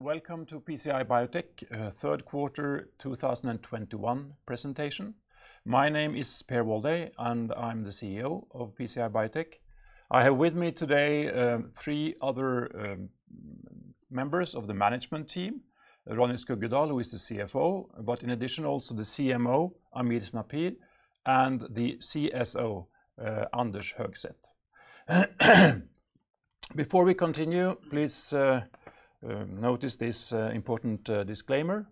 Welcome to PCI Biotech, third quarter 2021 presentation. My name is Per Walday, and I'm the CEO of PCI Biotech. I have with me today, three other, members of the management team. Ronny Skuggedal, who is the CFO, but in addition also the CMO, Amir Snapir, and the CSO, Anders Høgset. Before we continue, please, notice this, important, disclaimer.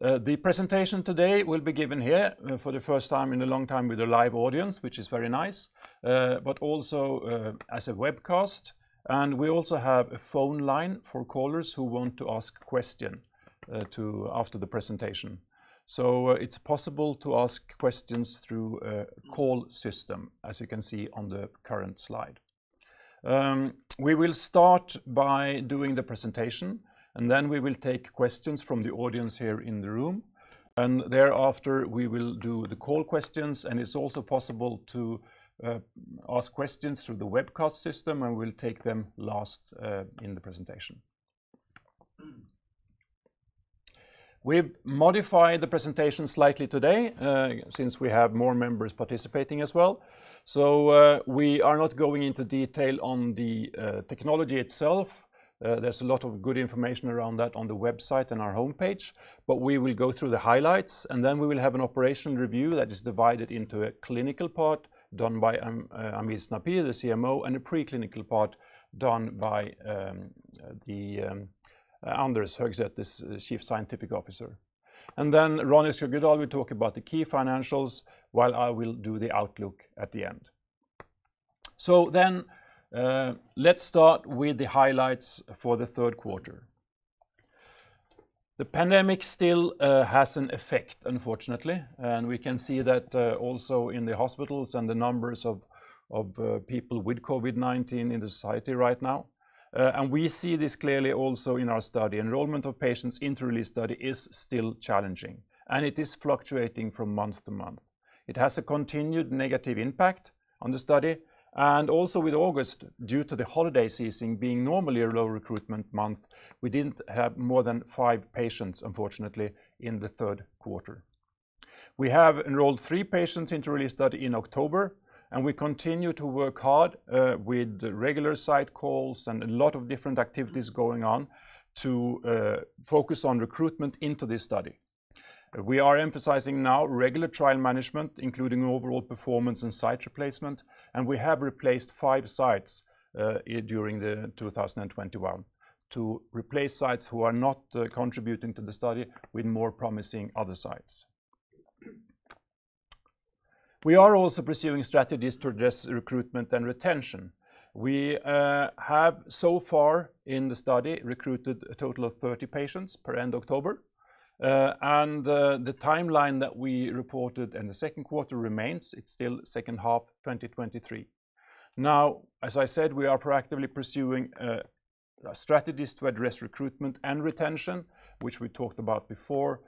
The presentation today will be given here for the first time in a long time with a live audience, which is very nice, but also, as a webcast. We also have a phone line for callers who want to ask question after the presentation. It's possible to ask questions through a call system, as you can see on the current slide. We will start by doing the presentation, and then we will take questions from the audience here in the room. Thereafter, we will do the call questions, and it's also possible to ask questions through the webcast system, and we'll take them last in the presentation. We've modified the presentation slightly today, since we have more members participating as well. We are not going into detail on the technology itself. There's a lot of good information around that on the website and our homepage. We will go through the highlights, and then we will have an operation review that is divided into a clinical part done by Amir Snapir, the CMO, and a preclinical part done by Anders Høgset, the Chief Scientific Officer. Ronny Skuggedal will talk about the key financials while I will do the outlook at the end. Let's start with the highlights for the third quarter. The pandemic still has an effect, unfortunately, and we can see that also in the hospitals and the numbers of people with COVID-19 in the society right now. We see this clearly also in our study. Enrollment of patients into RELEASE study is still challenging, and it is fluctuating from month to month. It has a continued negative impact on the study. Also with August, due to the holiday season being normally a low recruitment month, we didn't have more than 5 patients, unfortunately, in the third quarter. We have enrolled 3 patients into RELEASE study in October, and we continue to work hard with regular site calls and a lot of different activities going on to focus on recruitment into this study. We are emphasizing now regular trial management, including overall performance and site replacement, and we have replaced 5 sites during 2021 to replace sites who are not contributing to the study with more promising other sites. We are also pursuing strategies to address recruitment and retention. We have so far in the study recruited a total of 30 patients per end October. The timeline that we reported in the second quarter remains. It's still second half 2023. Now, as I said, we are proactively pursuing strategies to address recruitment and retention, which we talked about before.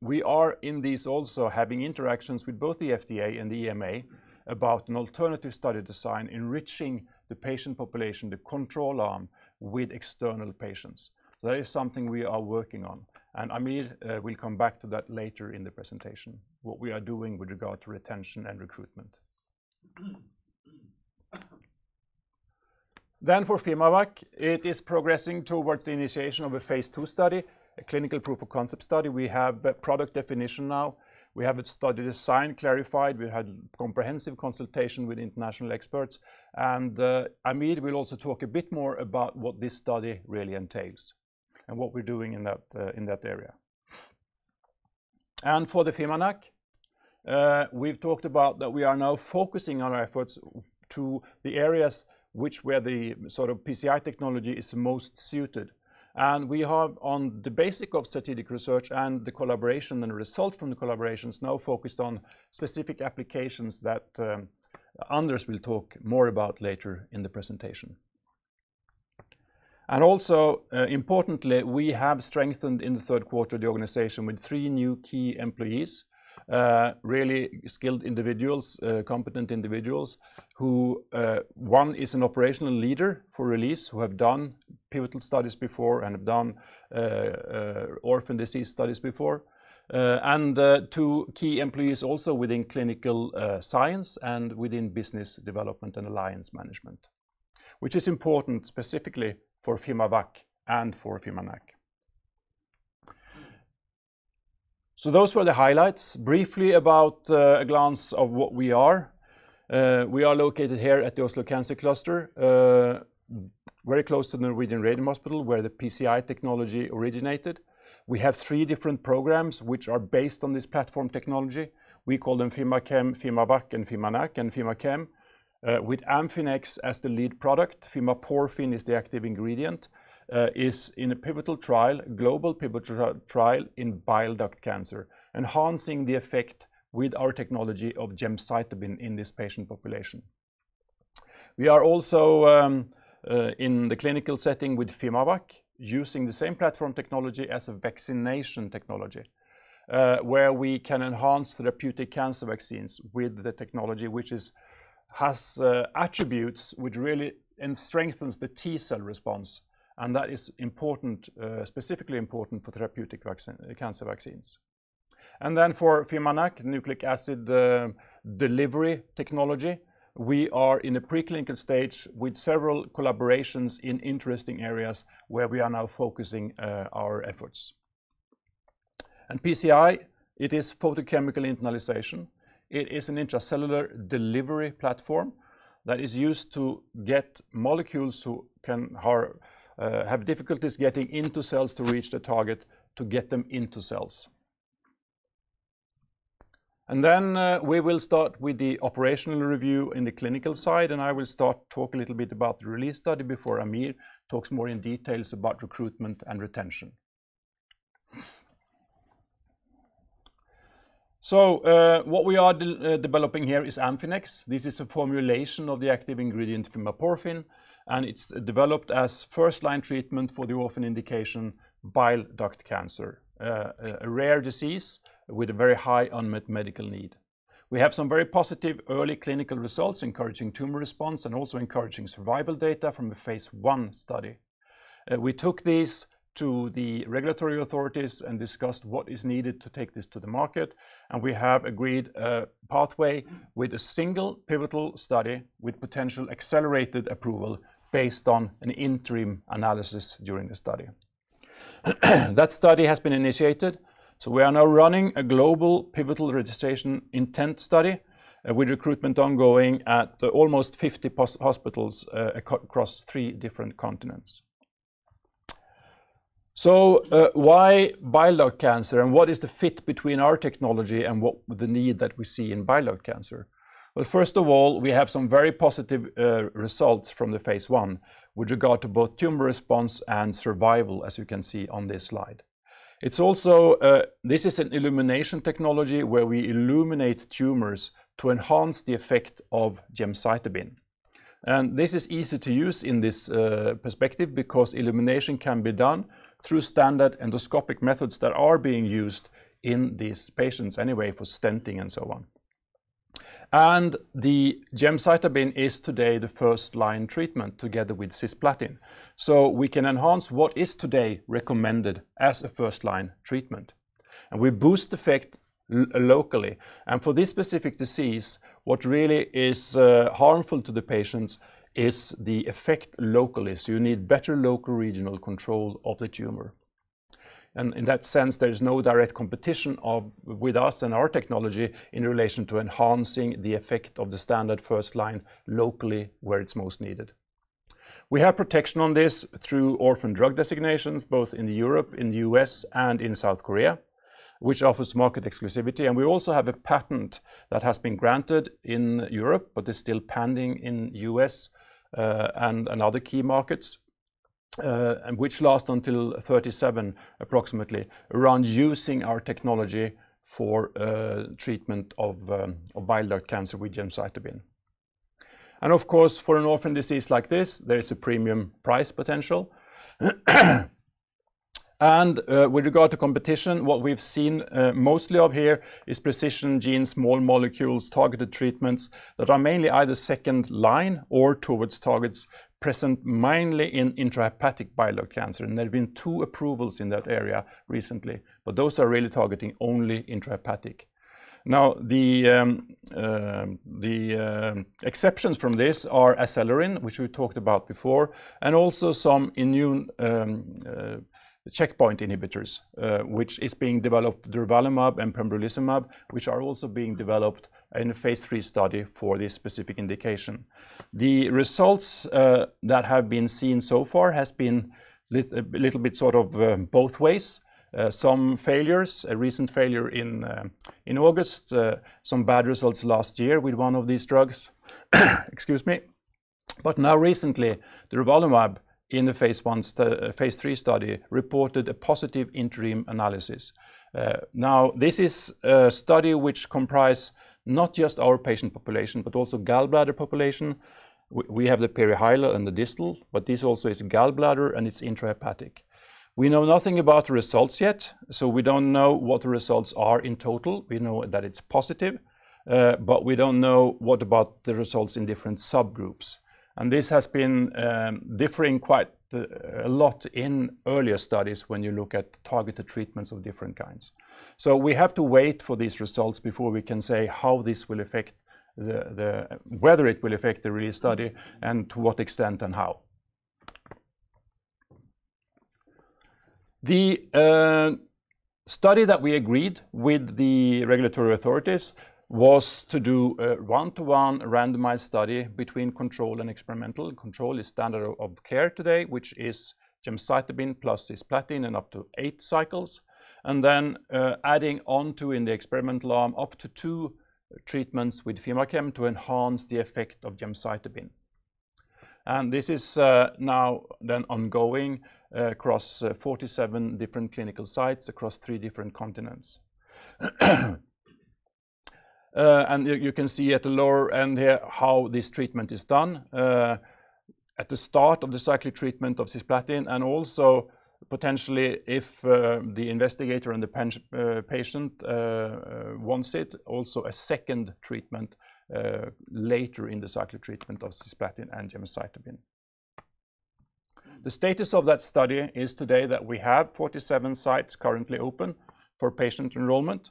We are indeed also having interactions with both the FDA and the EMA about an alternative study design enriching the patient population, the control arm, with external patients. That is something we are working on. Amir will come back to that later in the presentation, what we are doing with regard to retention and recruitment. For FimaVac, it is progressing towards the initiation of a phase II study, a clinical proof of concept study. We have a product definition now. We have a study design clarified. We had comprehensive consultation with international experts. Amir will also talk a bit more about what this study really entails and what we're doing in that area. For the fimaNAc, we've talked about that we are now focusing our efforts to the areas which the sort of PCI technology is most suited. We have on the basis of strategic research and the collaborations and results from the collaborations now focused on specific applications that, Anders will talk more about later in the presentation. Importantly, we have strengthened in the third quarter the organization with 3 new key employees, really skilled individuals, competent individuals who, one is an operational leader for RELEASE, who have done pivotal studies before and have done orphan disease studies before. Two key employees also within clinical science and within business development and alliance management, which is important specifically for fimaVACC and for fimaNAc. Those were the highlights. Briefly about a glance of what we are. We are located here at the Oslo Cancer Cluster, very close to the Norwegian Radium Hospital where the PCI technology originated. We have three different programs which are based on this platform technology. We call them FimaChem, FimaVac, and fimaNAc. FimaChem, with Amphinex as the lead product, Fimaporfin is the active ingredient, is in a pivotal trial, global pivotal trial in bile duct cancer, enhancing the effect with our technology of gemcitabine in this patient population. We are also in the clinical setting with FimaVac using the same platform technology as a vaccination technology, where we can enhance therapeutic cancer vaccines with the technology which has attributes which really and strengthens the T cell response, and that is important, specifically important for therapeutic cancer vaccines. For fimaNAc nucleic acid delivery technology, we are in a preclinical stage with several collaborations in interesting areas where we are now focusing our efforts. PCI is photochemical internalization. It is an intracellular delivery platform that is used to get molecules who can have difficulties getting into cells to reach the target to get them into cells. We will start with the operational review in the clinical side, and I will start talk a little bit about the RELEASE study before Amir talks more in details about recruitment and retention. What we are developing here is Amphinex. This is a formulation of the active ingredient fimaporfin, and it's developed as first-line treatment for the orphan indication bile duct cancer, a rare disease with a very high unmet medical need. We have some very positive early clinical results encouraging tumor response and also encouraging survival data from a phase I study. We took these to the regulatory authorities and discussed what is needed to take this to the market, and we have agreed a pathway with a single pivotal study with potential accelerated approval based on an interim analysis during the study. That study has been initiated, so we are now running a global pivotal registration intent study with recruitment ongoing at almost 50 hospitals across 3 different continents. Why bile duct cancer and what is the fit between our technology and what the need that we see in bile duct cancer? Well, first of all, we have some very positive results from the phase I with regard to both tumor response and survival, as you can see on this slide. It's also this is an illumination technology where we illuminate tumors to enhance the effect of gemcitabine. This is easy to use in this perspective because illumination can be done through standard endoscopic methods that are being used in these patients anyway for stenting and so on. The gemcitabine is today the first-line treatment together with cisplatin. We can enhance what is today recommended as a first-line treatment. We boost effect locally. For this specific disease, what really is harmful to the patients is the effect locally. You need better local regional control of the tumor. In that sense, there is no direct competition of, with us and our technology in relation to enhancing the effect of the standard first line locally where it's most needed. We have protection on this through Orphan Drug Designations, both in Europe, in the U.S., and in South Korea, which offers market exclusivity. We also have a patent that has been granted in Europe, but is still pending in the U.S., and other key markets, and which lasts until 2037, approximately, around using our technology for treatment of bile duct cancer with gemcitabine. Of course, for an orphan disease like this, there is a premium price potential. With regard to competition, what we've seen, mostly of here is precision medicines, small molecules, targeted treatments that are mainly either second line or towards targets present mainly in intrahepatic bile duct cancer. There have been two approvals in that area recently, but those are really targeting only intrahepatic. Now, the exceptions from this are Acelerin, which we talked about before, and also some immune checkpoint inhibitors, which is being developed durvalumab and pembrolizumab, which are also being developed in a phase III study for this specific indication. The results that have been seen so far has been a little bit sort of both ways. Some failures, a recent failure in August, some bad results last year with one of these drugs. Excuse me. Now recently, durvalumab in the phase III study reported a positive interim analysis. Now this is a study which comprise not just our patient population, but also gallbladder population. We have the perihilar and the distal, but this also is gallbladder and it's intrahepatic. We know nothing about the results yet, so we don't know what the results are in total. We know that it's positive, but we don't know what about the results in different subgroups. This has been differing quite a lot in earlier studies when you look at targeted treatments of different kinds. We have to wait for these results before we can say how this will affect whether it will affect the RELEASE study and to what extent and how. The study that we agreed with the regulatory authorities was to do a one-to-one randomized study between control and experimental. Control is standard of care today, which is gemcitabine plus cisplatin in up to eight cycles, and then adding on to in the experimental arm up to two treatments with FimaChem to enhance the effect of gemcitabine. This is now then ongoing across 47 different clinical sites across three different continents. You can see at the lower end here how this treatment is done. At the start of the cyclic treatment of cisplatin, and also potentially if the investigator and the patient wants it, also a second treatment later in the cyclic treatment of cisplatin and gemcitabine. The status of that study is today that we have 47 sites currently open for patient enrollment.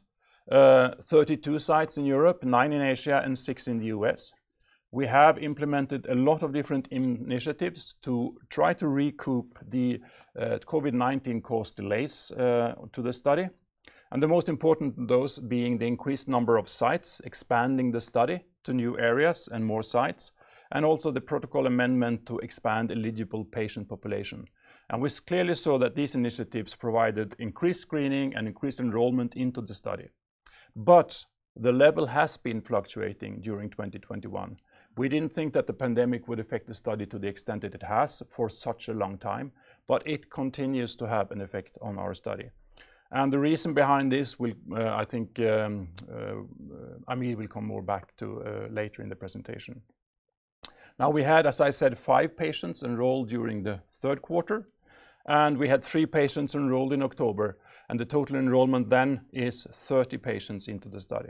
Thirty-two sites in Europe, nine in Asia, and six in the U.S. We have implemented a lot of different initiatives to try to recoup the COVID-19 caused delays to the study. The most important those being the increased number of sites, expanding the study to new areas and more sites, and also the protocol amendment to expand eligible patient population. We clearly saw that these initiatives provided increased screening and increased enrollment into the study. The level has been fluctuating during 2021. We didn't think that the pandemic would affect the study to the extent that it has for such a long time, but it continues to have an effect on our study. The reason behind this, I think Amir will come more back to later in the presentation. Now, we had, as I said, five patients enrolled during the third quarter, and we had three patients enrolled in October, and the total enrollment then is 30 patients into the study.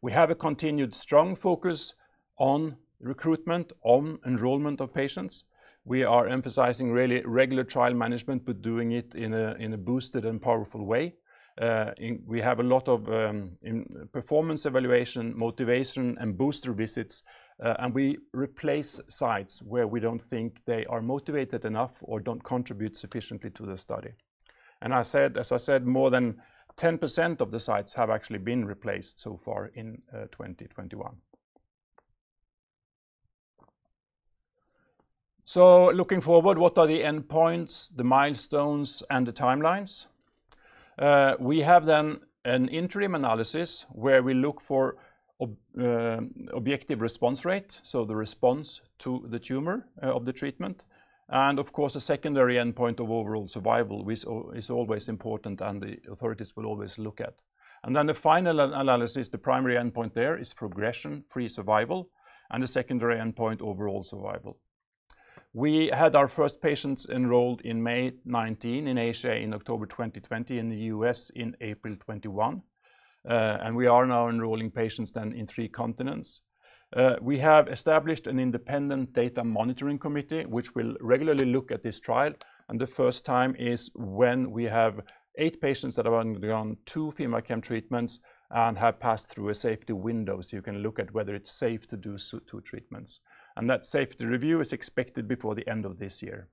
We have a continued strong focus on recruitment, on enrollment of patients. We are emphasizing really regular trial management, but doing it in a boosted and powerful way. We have a lot of performance evaluation, motivation, and booster visits, and we replace sites where we don't think they are motivated enough or don't contribute sufficiently to the study. As I said, more than 10% of the sites have actually been replaced so far in 2021. Looking forward, what are the endpoints, the milestones, and the timelines? We have then an interim analysis where we look for objective response rate, so the response to the tumor of the treatment. Of course, a secondary endpoint of overall survival, which is always important and the authorities will always look at. The final analysis, the primary endpoint there is progression-free survival, and the secondary endpoint, overall survival. We had our first patients enrolled in May 2019 in Asia, in October 2020 in the U.S., in April 2021. We are now enrolling patients in three continents. We have established an independent data monitoring committee, which will regularly look at this trial, and the first time is when we have eight patients that have undergone two FimaChem treatments and have passed through a safety window, so you can look at whether it's safe to do two treatments. That safety review is expected before the end of this year.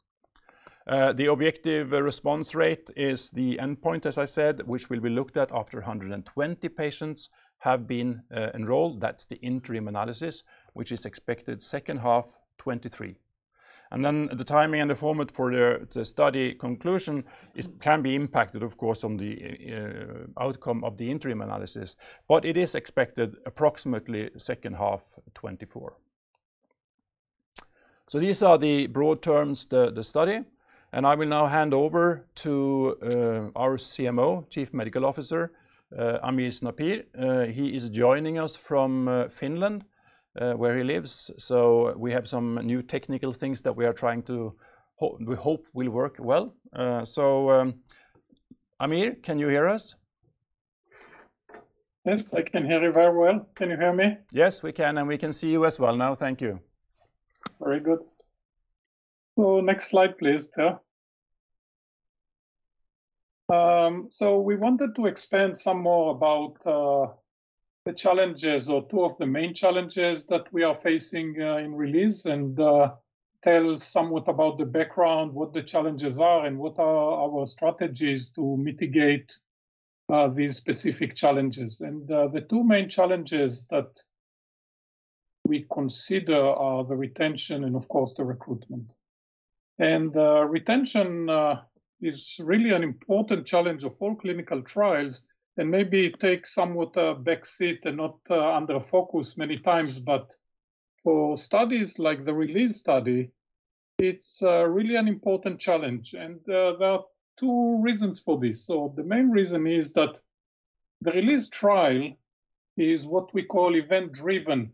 The objective response rate is the endpoint, as I said, which will be looked at after 120 patients have been enrolled. That's the interim analysis, which is expected second half 2023. Then the timing and the format for the study conclusion is, can be impacted of course, on the outcome of the interim analysis. It is expected approximately second half 2024. These are the broad terms the study, and I will now hand over to our CMO, Chief Medical Officer, Amir Snapir. He is joining us from Finland, where he lives. We have some new technical things that we are trying to we hope will work well. Amir, can you hear us? Yes, I can hear you very well. Can you hear me? Yes, we can, and we can see you as well now. Thank you. Very good. Next slide, please, Per. We wanted to expand some more about the challenges or two of the main challenges that we are facing in RELEASE and tell somewhat about the background, what the challenges are, and what are our strategies to mitigate these specific challenges. The two main challenges that we consider are the retention and of course the recruitment. Retention is really an important challenge of all clinical trials and maybe it takes somewhat a backseat and not under focus many times. For studies like the RELEASE study, it's really an important challenge, and there are two reasons for this. The main reason is that the RELEASE trial is what we call event-driven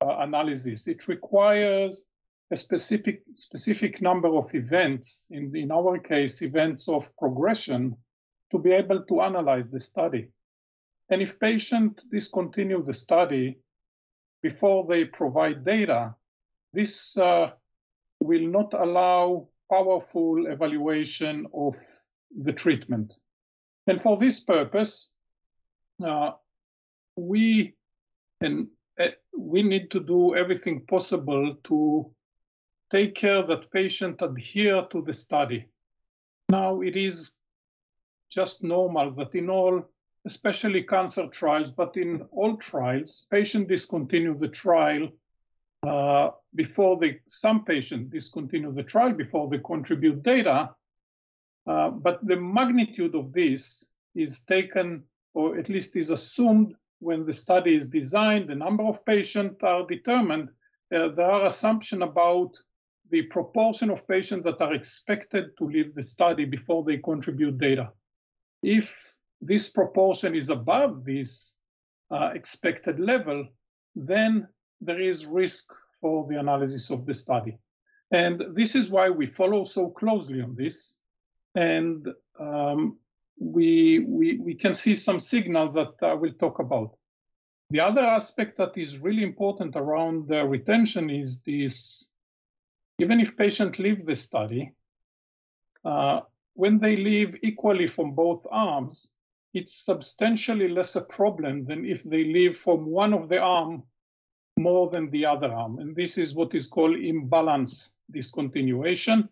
analysis. It requires a specific number of events, in our case, events of progression, to be able to analyze the study. If patient discontinue the study before they provide data, this will not allow powerful evaluation of the treatment. For this purpose, we need to do everything possible to take care that patient adhere to the study. Now, it is just normal that in all, especially cancer trials, but in all trials, patient discontinue the trial before some patient discontinue the trial before they contribute data. The magnitude of this is taken, or at least is assumed when the study is designed, the number of patient are determined, there are assumption about the proportion of patients that are expected to leave the study before they contribute data. If this proportion is above this, expected level, then there is risk for the analysis of the study. This is why we follow so closely on this, and, we can see some signal that I will talk about. The other aspect that is really important around the retention is this, even if patient leave the study, when they leave equally from both arms, it's substantially less a problem than if they leave from one of the arm more than the other arm, and this is what is called imbalance discontinuation.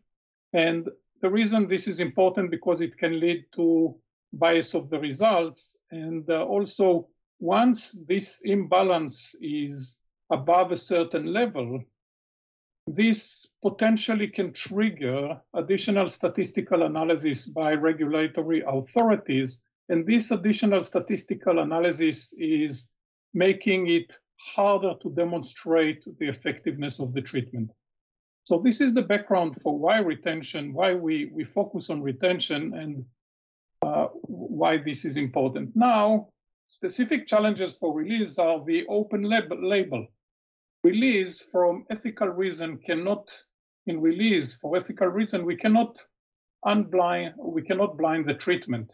The reason this is important because it can lead to bias of the results, and also once this imbalance is above a certain level, this potentially can trigger additional statistical analysis by regulatory authorities, and this additional statistical analysis is making it harder to demonstrate the effectiveness of the treatment. This is the background for why retention, why we focus on retention, and why this is important. Now, specific challenges for RELEASE are the open-label. In RELEASE for ethical reason, we cannot blind the treatment.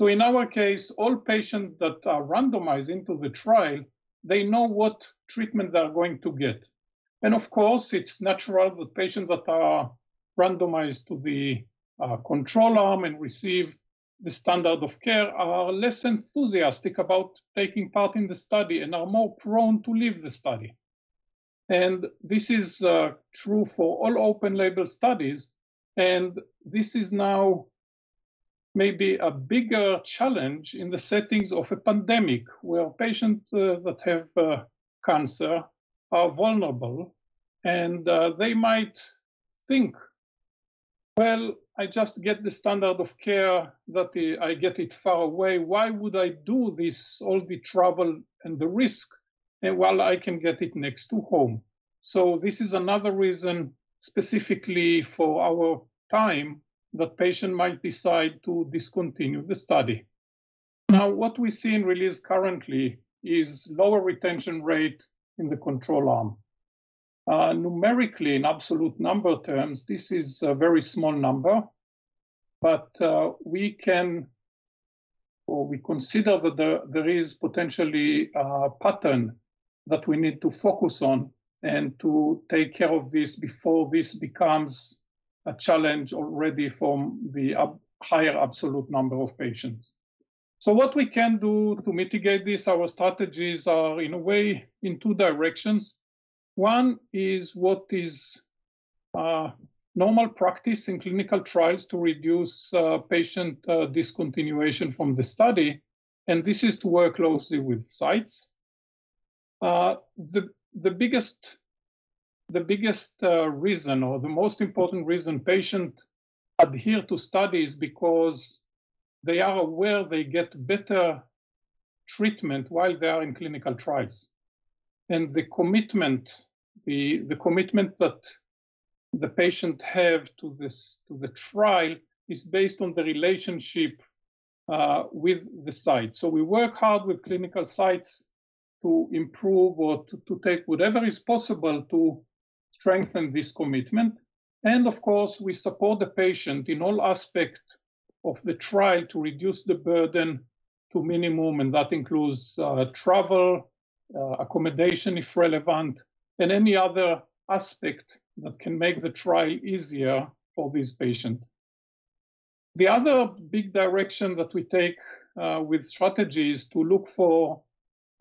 In our case, all patient that are randomized into the trial, they know what treatment they are going to get. Of course, it's natural the patients that are randomized to the control arm and receive the standard of care are less enthusiastic about taking part in the study and are more prone to leave the study. This is true for all open label studies, and this is now maybe a bigger challenge in the settings of a pandemic, where patients that have cancer are vulnerable, and they might think, "Well, I just get the standard of care that I get it far away. Why would I do this, all the travel and the risk, and while I can get it next to home?" This is another reason specifically for our time that patient might decide to discontinue the study. Now, what we see in RELEASE currently is lower retention rate in the control arm. Numerically, in absolute number terms, this is a very small number, but we can or we consider that there is potentially a pattern that we need to focus on and to take care of this before this becomes a challenge already from the higher absolute number of patients. What we can do to mitigate this, our strategies are in a way in two directions. One is what is normal practice in clinical trials to reduce patient discontinuation from the study, and this is to work closely with sites. The biggest reason or the most important reason patients adhere to studies is because they are aware they get better treatment while they are in clinical trials. The commitment that the patient have to this to the trial is based on the relationship with the site. We work hard with clinical sites to improve or to take whatever is possible to strengthen this commitment. Of course, we support the patient in all aspect of the trial to reduce the burden to minimum, and that includes travel accommodation, if relevant, and any other aspect that can make the trial easier for this patient. The other big direction that we take with strategy is to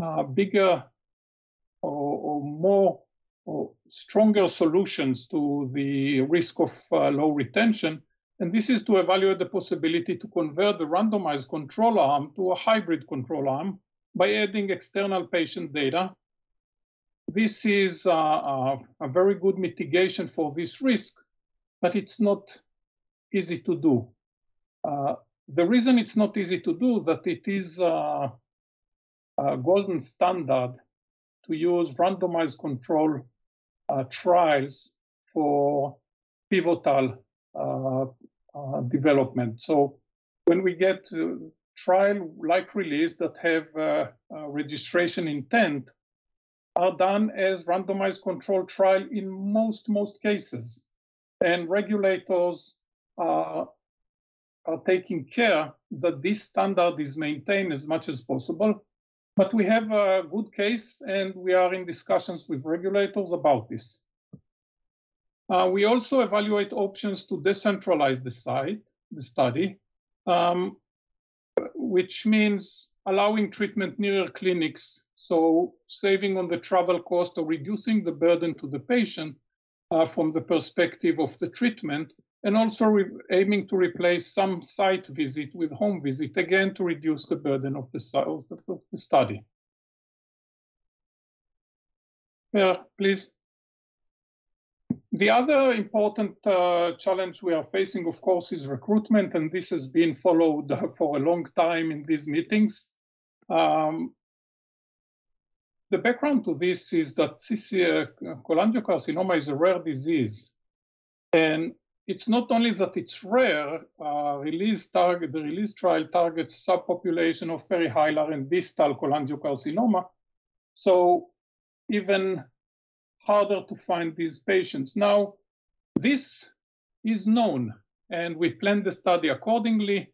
look for bigger or more or stronger solutions to the risk of low retention, and this is to evaluate the possibility to convert the randomized control arm to a hybrid control arm by adding external patient data. This is a very good mitigation for this risk, but it's not easy to do. The reason it's not easy to do is that it is a gold standard to use randomized controlled trials for pivotal development. When we get to trials like RELEASE that have a registration intent, they are done as randomized controlled trials in most cases. Regulators are taking care that this standard is maintained as much as possible. We have a good case, and we are in discussions with regulators about this. We also evaluate options to decentralize the study, which means allowing treatment nearer clinics, so saving on the travel cost or reducing the burden to the patient from the perspective of the treatment. also aiming to replace some site visit with home visit, again, to reduce the burden of the study. Yeah, please. The other important challenge we are facing, of course, is recruitment, and this has been followed for a long time in these meetings. The background to this is that CCA, cholangiocarcinoma, is a rare disease, and it's not only that it's rare, RELEASE target, the RELEASE trial targets subpopulation of perihilar and distal cholangiocarcinoma, so even harder to find these patients. Now, this is known, and we planned the study accordingly,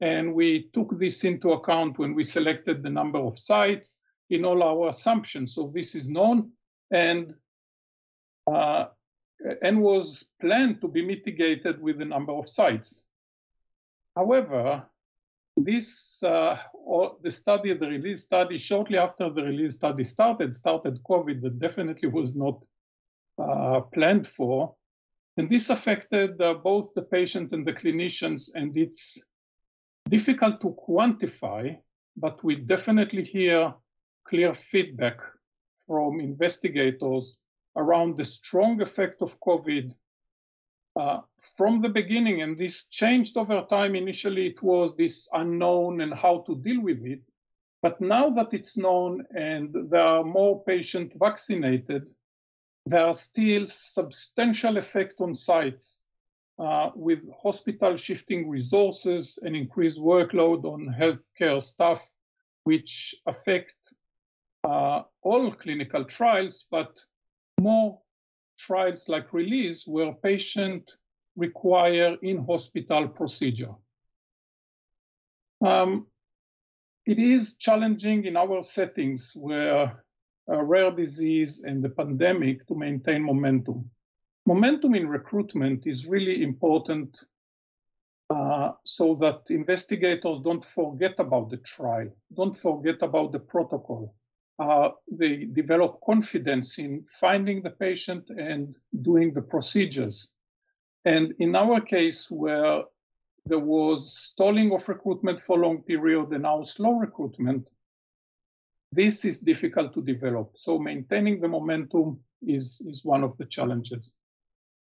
and we took this into account when we selected the number of sites in all our assumptions. this is known and was planned to be mitigated with the number of sites. However, this or the study, the RELEASE study, shortly after the RELEASE study started COVID, that definitely was not planned for, and this affected both the patient and the clinicians, and it's difficult to quantify, but we definitely hear clear feedback from investigators around the strong effect of COVID from the beginning, and this changed over time. Initially, it was this unknown and how to deal with it, but now that it's known and there are more patient vaccinated, there are still substantial effect on sites with hospital shifting resources and increased workload on healthcare staff, which affect all clinical trials, but more trials like RELEASE, where patient require in-hospital procedure. It is challenging in our settings where a rare disease and the pandemic to maintain momentum. Momentum in recruitment is really important, so that investigators don't forget about the trial, don't forget about the protocol. They develop confidence in finding the patient and doing the procedures. In our case, where there was stalling of recruitment for long period and now slow recruitment, this is difficult to develop. Maintaining the momentum is one of the challenges.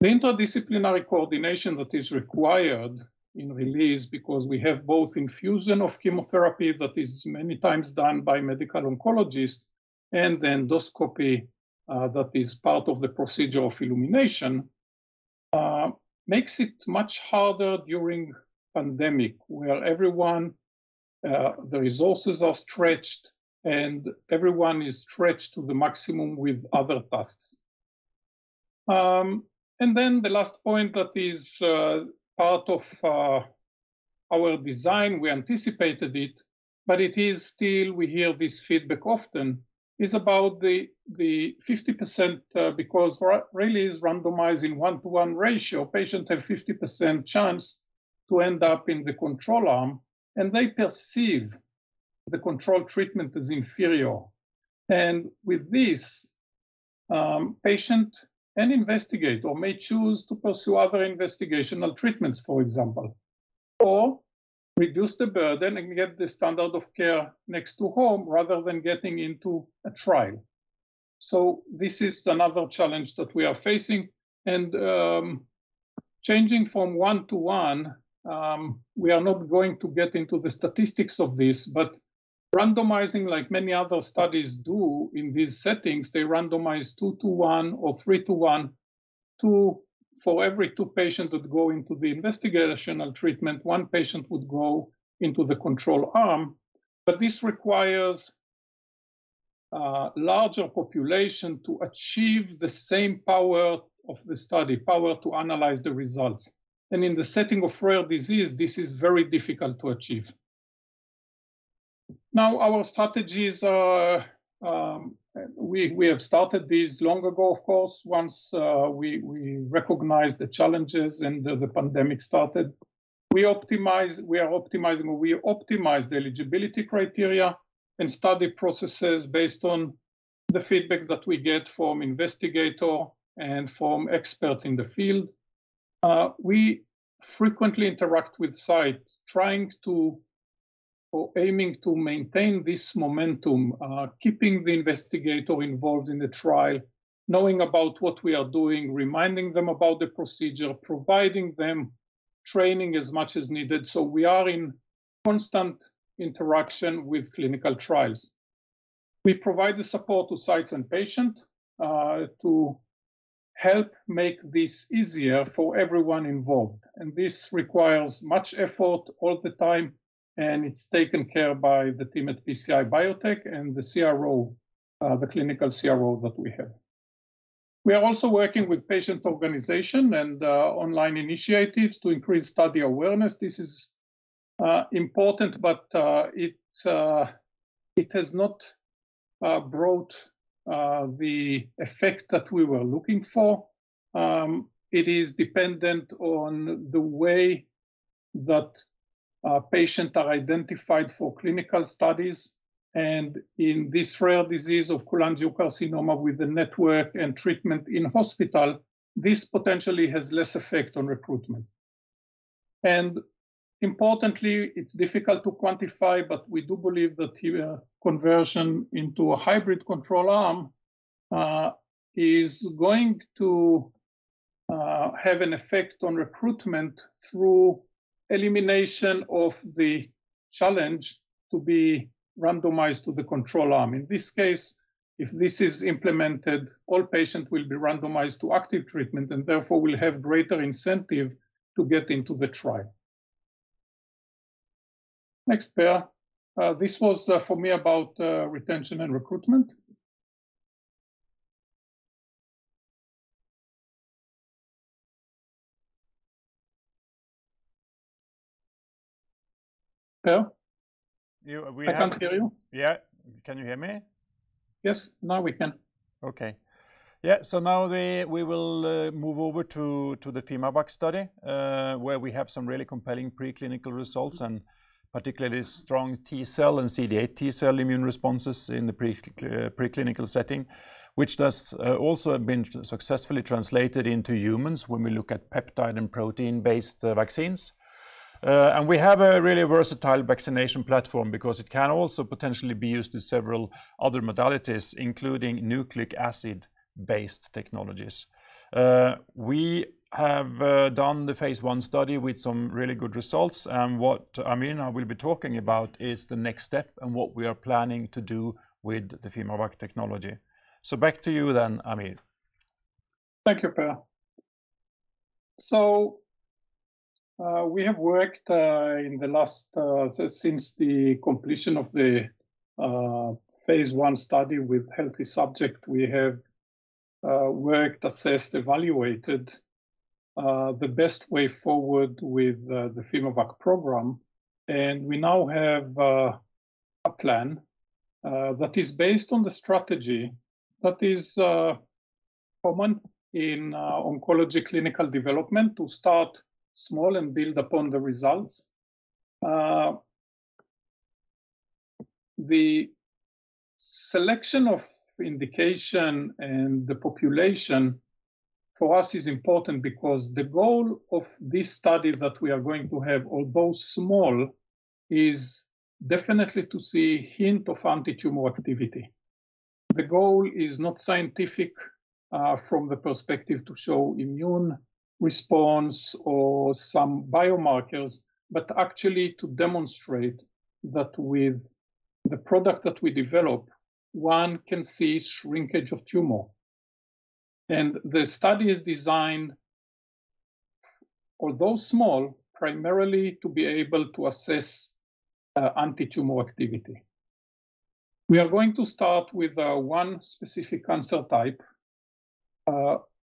The interdisciplinary coordination that is required in RELEASE, because we have both infusion of chemotherapy that is many times done by medical oncologist and endoscopy, that is part of the procedure of illumination, makes it much harder during pandemic, where everyone, the resources are stretched and everyone is stretched to the maximum with other tasks. The last point that is part of our design, we anticipated it, but it is still, we hear this feedback often, is about the 50%, because RELEASE randomizing 1-to-1 ratio, patient have 50% chance to end up in the control arm, and they perceive the control treatment as inferior. With this, patient and investigator may choose to pursue other investigational treatments, for example, or reduce the burden and get the standard of care next to home rather than getting into a trial. This is another challenge that we are facing, and changing from 1-to-1, we are not going to get into the statistics of this, but randomizing like many other studies do in these settings, they randomize 2 to 1 or 3 to 1. For every 2 patients would go into the investigational treatment, 1 patient would go into the control arm. This requires larger population to achieve the same power of the study, power to analyze the results. In the setting of rare disease, this is very difficult to achieve. Now, our strategies are, we have started these long ago, of course, once we recognized the challenges and the pandemic started. We are optimizing the eligibility criteria and study processes based on the feedback that we get from investigator and from experts in the field. We frequently interact with sites aiming to maintain this momentum, keeping the investigator involved in the trial, knowing about what we are doing, reminding them about the procedure, providing them training as much as needed. We are in constant interaction with clinical trials. We provide the support to sites and patient to help make this easier for everyone involved, and this requires much effort all the time, and it's taken care of by the team at PCI Biotech and the CRO, the clinical CRO that we have. We are also working with patient organization and online initiatives to increase study awareness. This is important, but it has not brought the effect that we were looking for. It is dependent on the way that patient are identified for clinical studies. In this rare disease of cholangiocarcinoma with the network and treatment in hospital, this potentially has less effect on recruitment. Importantly, it's difficult to quantify, but we do believe that the conversion into a hybrid control arm is going to have an effect on recruitment through elimination of the challenge to be randomized to the control arm. In this case, if this is implemented, all patient will be randomized to active treatment, and therefore will have greater incentive to get into the trial. Next, Per. This was, for me about, retention and recruitment. Per? You... We have- I can't hear you. Yeah. Can you hear me? Yes. Now we can. We will move over to the fimaVACC study, where we have some really compelling preclinical results, and particularly strong T-cell and CD8 T-cell immune responses in the preclinical setting, which has also been successfully translated into humans when we look at peptide and protein-based vaccines. We have a really versatile vaccination platform because it can also potentially be used in several other modalities, including nucleic acid-based technologies. We have done the phase I study with some really good results, and what Amir will be talking about is the next step and what we are planning to do with the fimaVACC technology. Back to you then, Amir. Thank you, Per. We have worked in the last since the completion of the phase I study with healthy subjects, assessed, evaluated the best way forward with the fimaVACC program. We now have a plan that is based on the strategy that is common in oncology clinical development to start small and build upon the results. The selection of indication and the population for us is important because the goal of this study that we are going to have, although small, is definitely to see hint of antitumor activity. The goal is not scientific from the perspective to show immune response or some biomarkers, but actually to demonstrate that with the product that we develop, one can see shrinkage of tumor. The study is designed, although small, primarily to be able to assess antitumor activity. We are going to start with one specific cancer type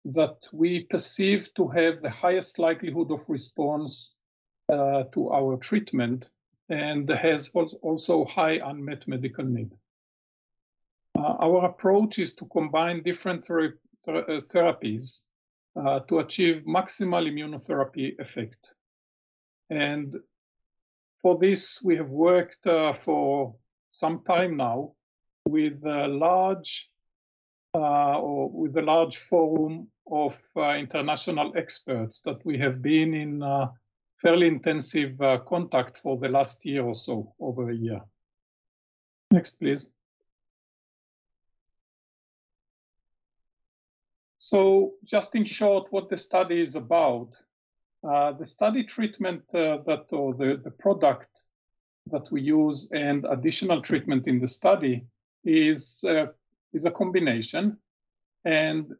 that we perceive to have the highest likelihood of response to our treatment, and has also high unmet medical need. Our approach is to combine different therapies to achieve maximal immunotherapy effect. For this, we have worked for some time now with a large forum of international experts that we have been in fairly intensive contact for the last year or so, over a year. Next, please. Just in short, what the study is about. The study treatment that... For the product that we use and additional treatment in the study is a combination, and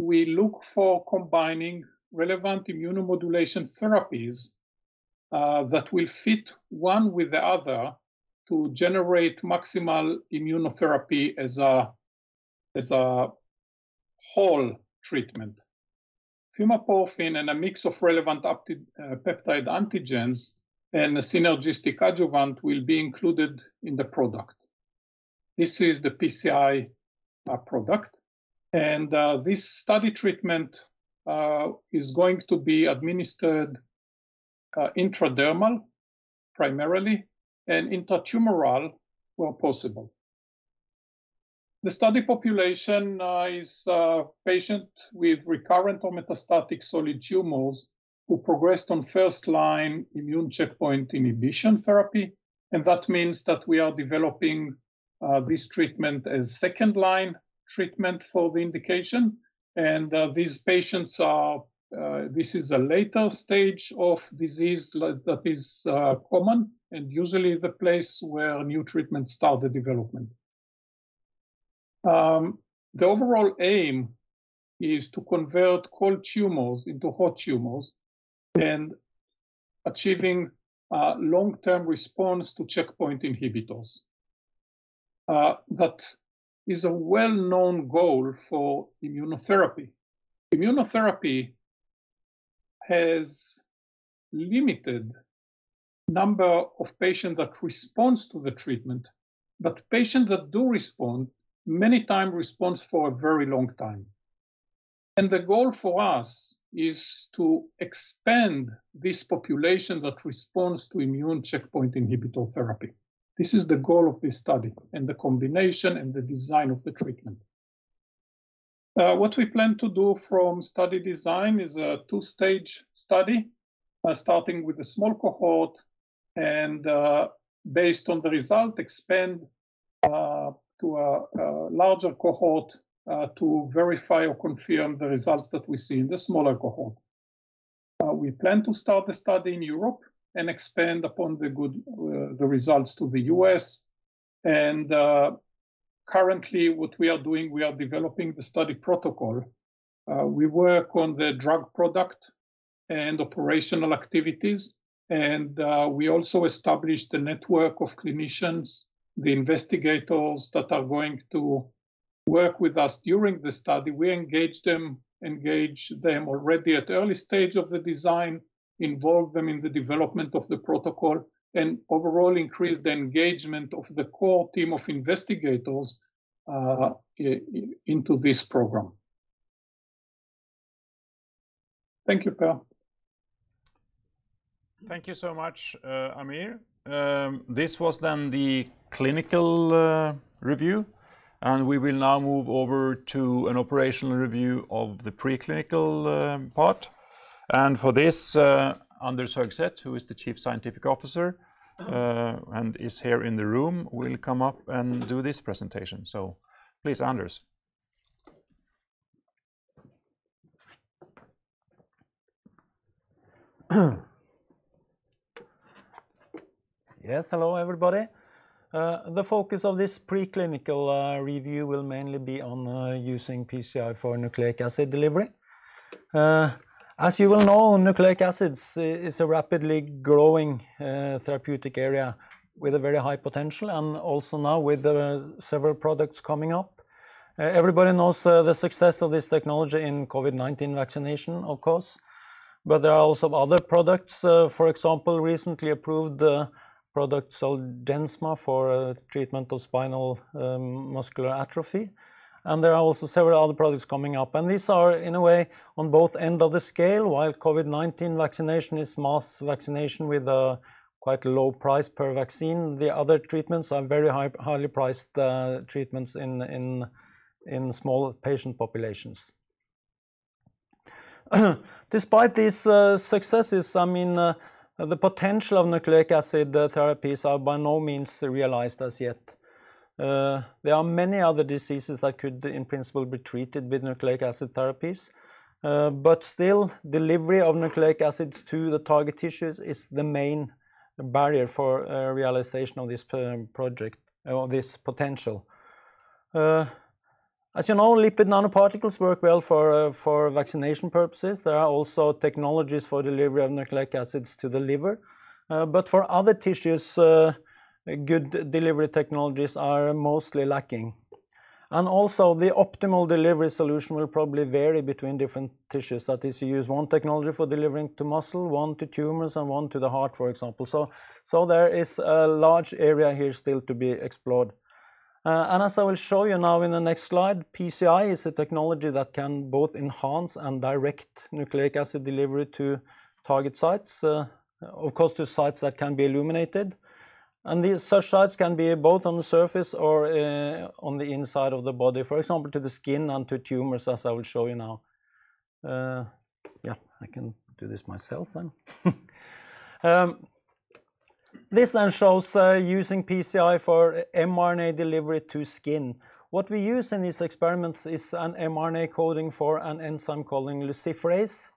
we look for combining relevant immunomodulation therapies that will fit one with the other to generate maximal immunotherapy as a whole treatment. Fimaporfin and a mix of relevant optimized peptide antigens and a synergistic adjuvant will be included in the product. This is the PCI product, and this study treatment is going to be administered intradermal primarily and intratumoral where possible. The study population is a patient with recurrent or metastatic solid tumors who progressed on first-line immune checkpoint inhibition therapy, and that means that we are developing this treatment as second-line treatment for the indication. This is a later stage of disease that is common, and usually the place where new treatments start the development. The overall aim is to convert cold tumors into hot tumors and achieving long-term response to checkpoint inhibitors. That is a well-known goal for immunotherapy. Immunotherapy has limited number of patient that responds to the treatment, but patients that do respond many time responds for a very long time. The goal for us is to expand this population that responds to immune checkpoint inhibitor therapy. This is the goal of this study, and the combination, and the design of the treatment. What we plan to do from study design is a two-stage study, starting with a small cohort and, based on the result, expand to a larger cohort, to verify or confirm the results that we see in the smaller cohort. We plan to start the study in Europe and expand upon the good, the results to the U.S. and, currently what we are doing, we are developing the study protocol. We work on the drug product and operational activities, and, we also established a network of clinicians, the investigators that are going to work with us during the study. We engage them already at early stage of the design, involve them in the development of the protocol, and overall increase the engagement of the core team of investigators into this program. Thank you, Per. Thank you so much, Amir. This was then the clinical review, and we will now move over to an operational review of the preclinical part. For this, Anders Høgset who is the Chief Scientific Officer and is here in the room will come up and do this presentation. Please, Anders. Yes. Hello, everybody. The focus of this preclinical review will mainly be on using PCI for nucleic acid delivery. As you well know, nucleic acids is a rapidly growing therapeutic area with a very high potential and also now with several products coming up. Everybody knows the success of this technology in COVID-19 vaccination, of course, but there are also other products, for example, recently approved product Zolgensma for treatment of spinal muscular atrophy, and there are also several other products coming up. These are, in a way, on both end of the scale. While COVID-19 vaccination is mass vaccination with a quite low price per vaccine, the other treatments are very high, highly priced treatments in small patient populations. Despite these successes, I mean, the potential of nucleic acid therapies are by no means realized as yet. There are many other diseases that could, in principle, be treated with nucleic acid therapies, but still delivery of nucleic acids to the target tissues is the main barrier for realization of this project or this potential. As you know, lipid nanoparticles work well for vaccination purposes. There are also technologies for delivery of nucleic acids to the liver. But for other tissues, good delivery technologies are mostly lacking. Also the optimal delivery solution will probably vary between different tissues. That is, you use one technology for delivering to muscle, one to tumors, and one to the heart, for example. There is a large area here still to be explored. As I will show you now in the next slide, PCI is a technology that can both enhance and direct nucleic acid delivery to target sites, of course, to sites that can be illuminated. These such sites can be both on the surface or on the inside of the body, for example, to the skin and to tumors, as I will show you now. I can do this myself then. This then shows using PCI for mRNA delivery to skin. What we use in these experiments is an mRNA coding for an enzyme called luciferase,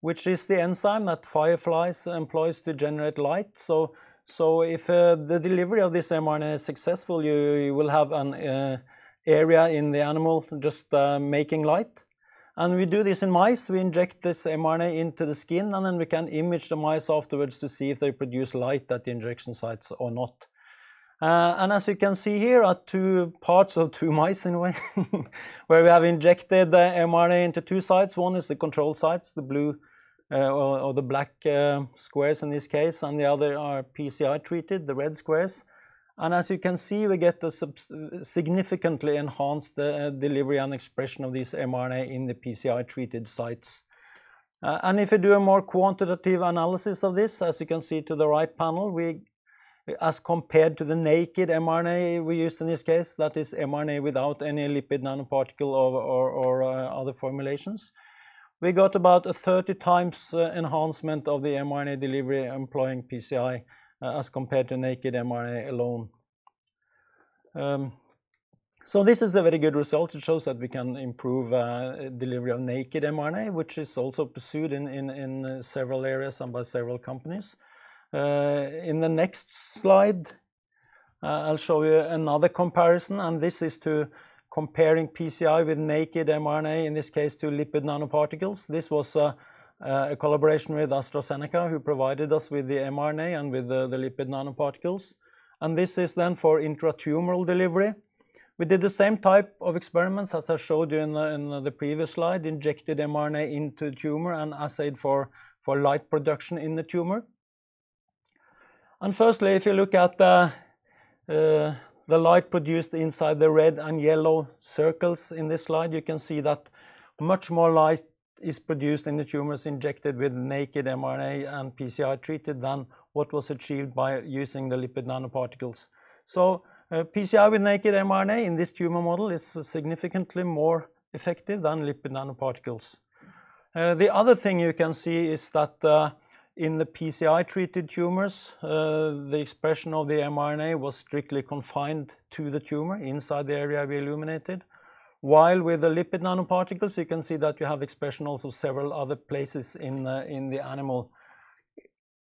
which is the enzyme that fireflies employs to generate light. If the delivery of this mRNA is successful, you will have an area in the animal just making light. We do this in mice. We inject this mRNA into the skin, and then we can image the mice afterwards to see if they produce light at the injection sites or not. As you can see here are two parts of two mice in a way where we have injected the mRNA into two sites. One is the control sites, the blue or the black squares in this case, and the other are PCI treated, the red squares. As you can see, we get significantly enhanced delivery and expression of this mRNA in the PCI treated sites. If you do a more quantitative analysis of this, as you can see to the right panel, we, as compared to the naked mRNA we used in this case, that is mRNA without any lipid nanoparticle or other formulations, we got about a 30 times enhancement of the mRNA delivery employing PCI as compared to naked mRNA alone. This is a very good result. It shows that we can improve delivery of naked mRNA, which is also pursued in several areas and by several companies. In the next slide, I'll show you another comparison, and this is to comparing PCI with naked mRNA, in this case, to lipid nanoparticles. This was a collaboration with AstraZeneca who provided us with the mRNA and with the lipid nanoparticles. This is then for intratumoral delivery. We did the same type of experiments as I showed you in the previous slide, injected mRNA into tumor and assayed for light production in the tumor. Firstly, if you look at the light produced inside the red and yellow circles in this slide, you can see that much more light is produced in the tumors injected with naked mRNA and PCI treated than what was achieved by using the lipid nanoparticles. PCI with naked mRNA in this tumor model is significantly more effective than lipid nanoparticles. The other thing you can see is that, in the PCI treated tumors, the expression of the mRNA was strictly confined to the tumor inside the area we illuminated. While with the lipid nanoparticles, you can see that you have expression also several other places in the animal.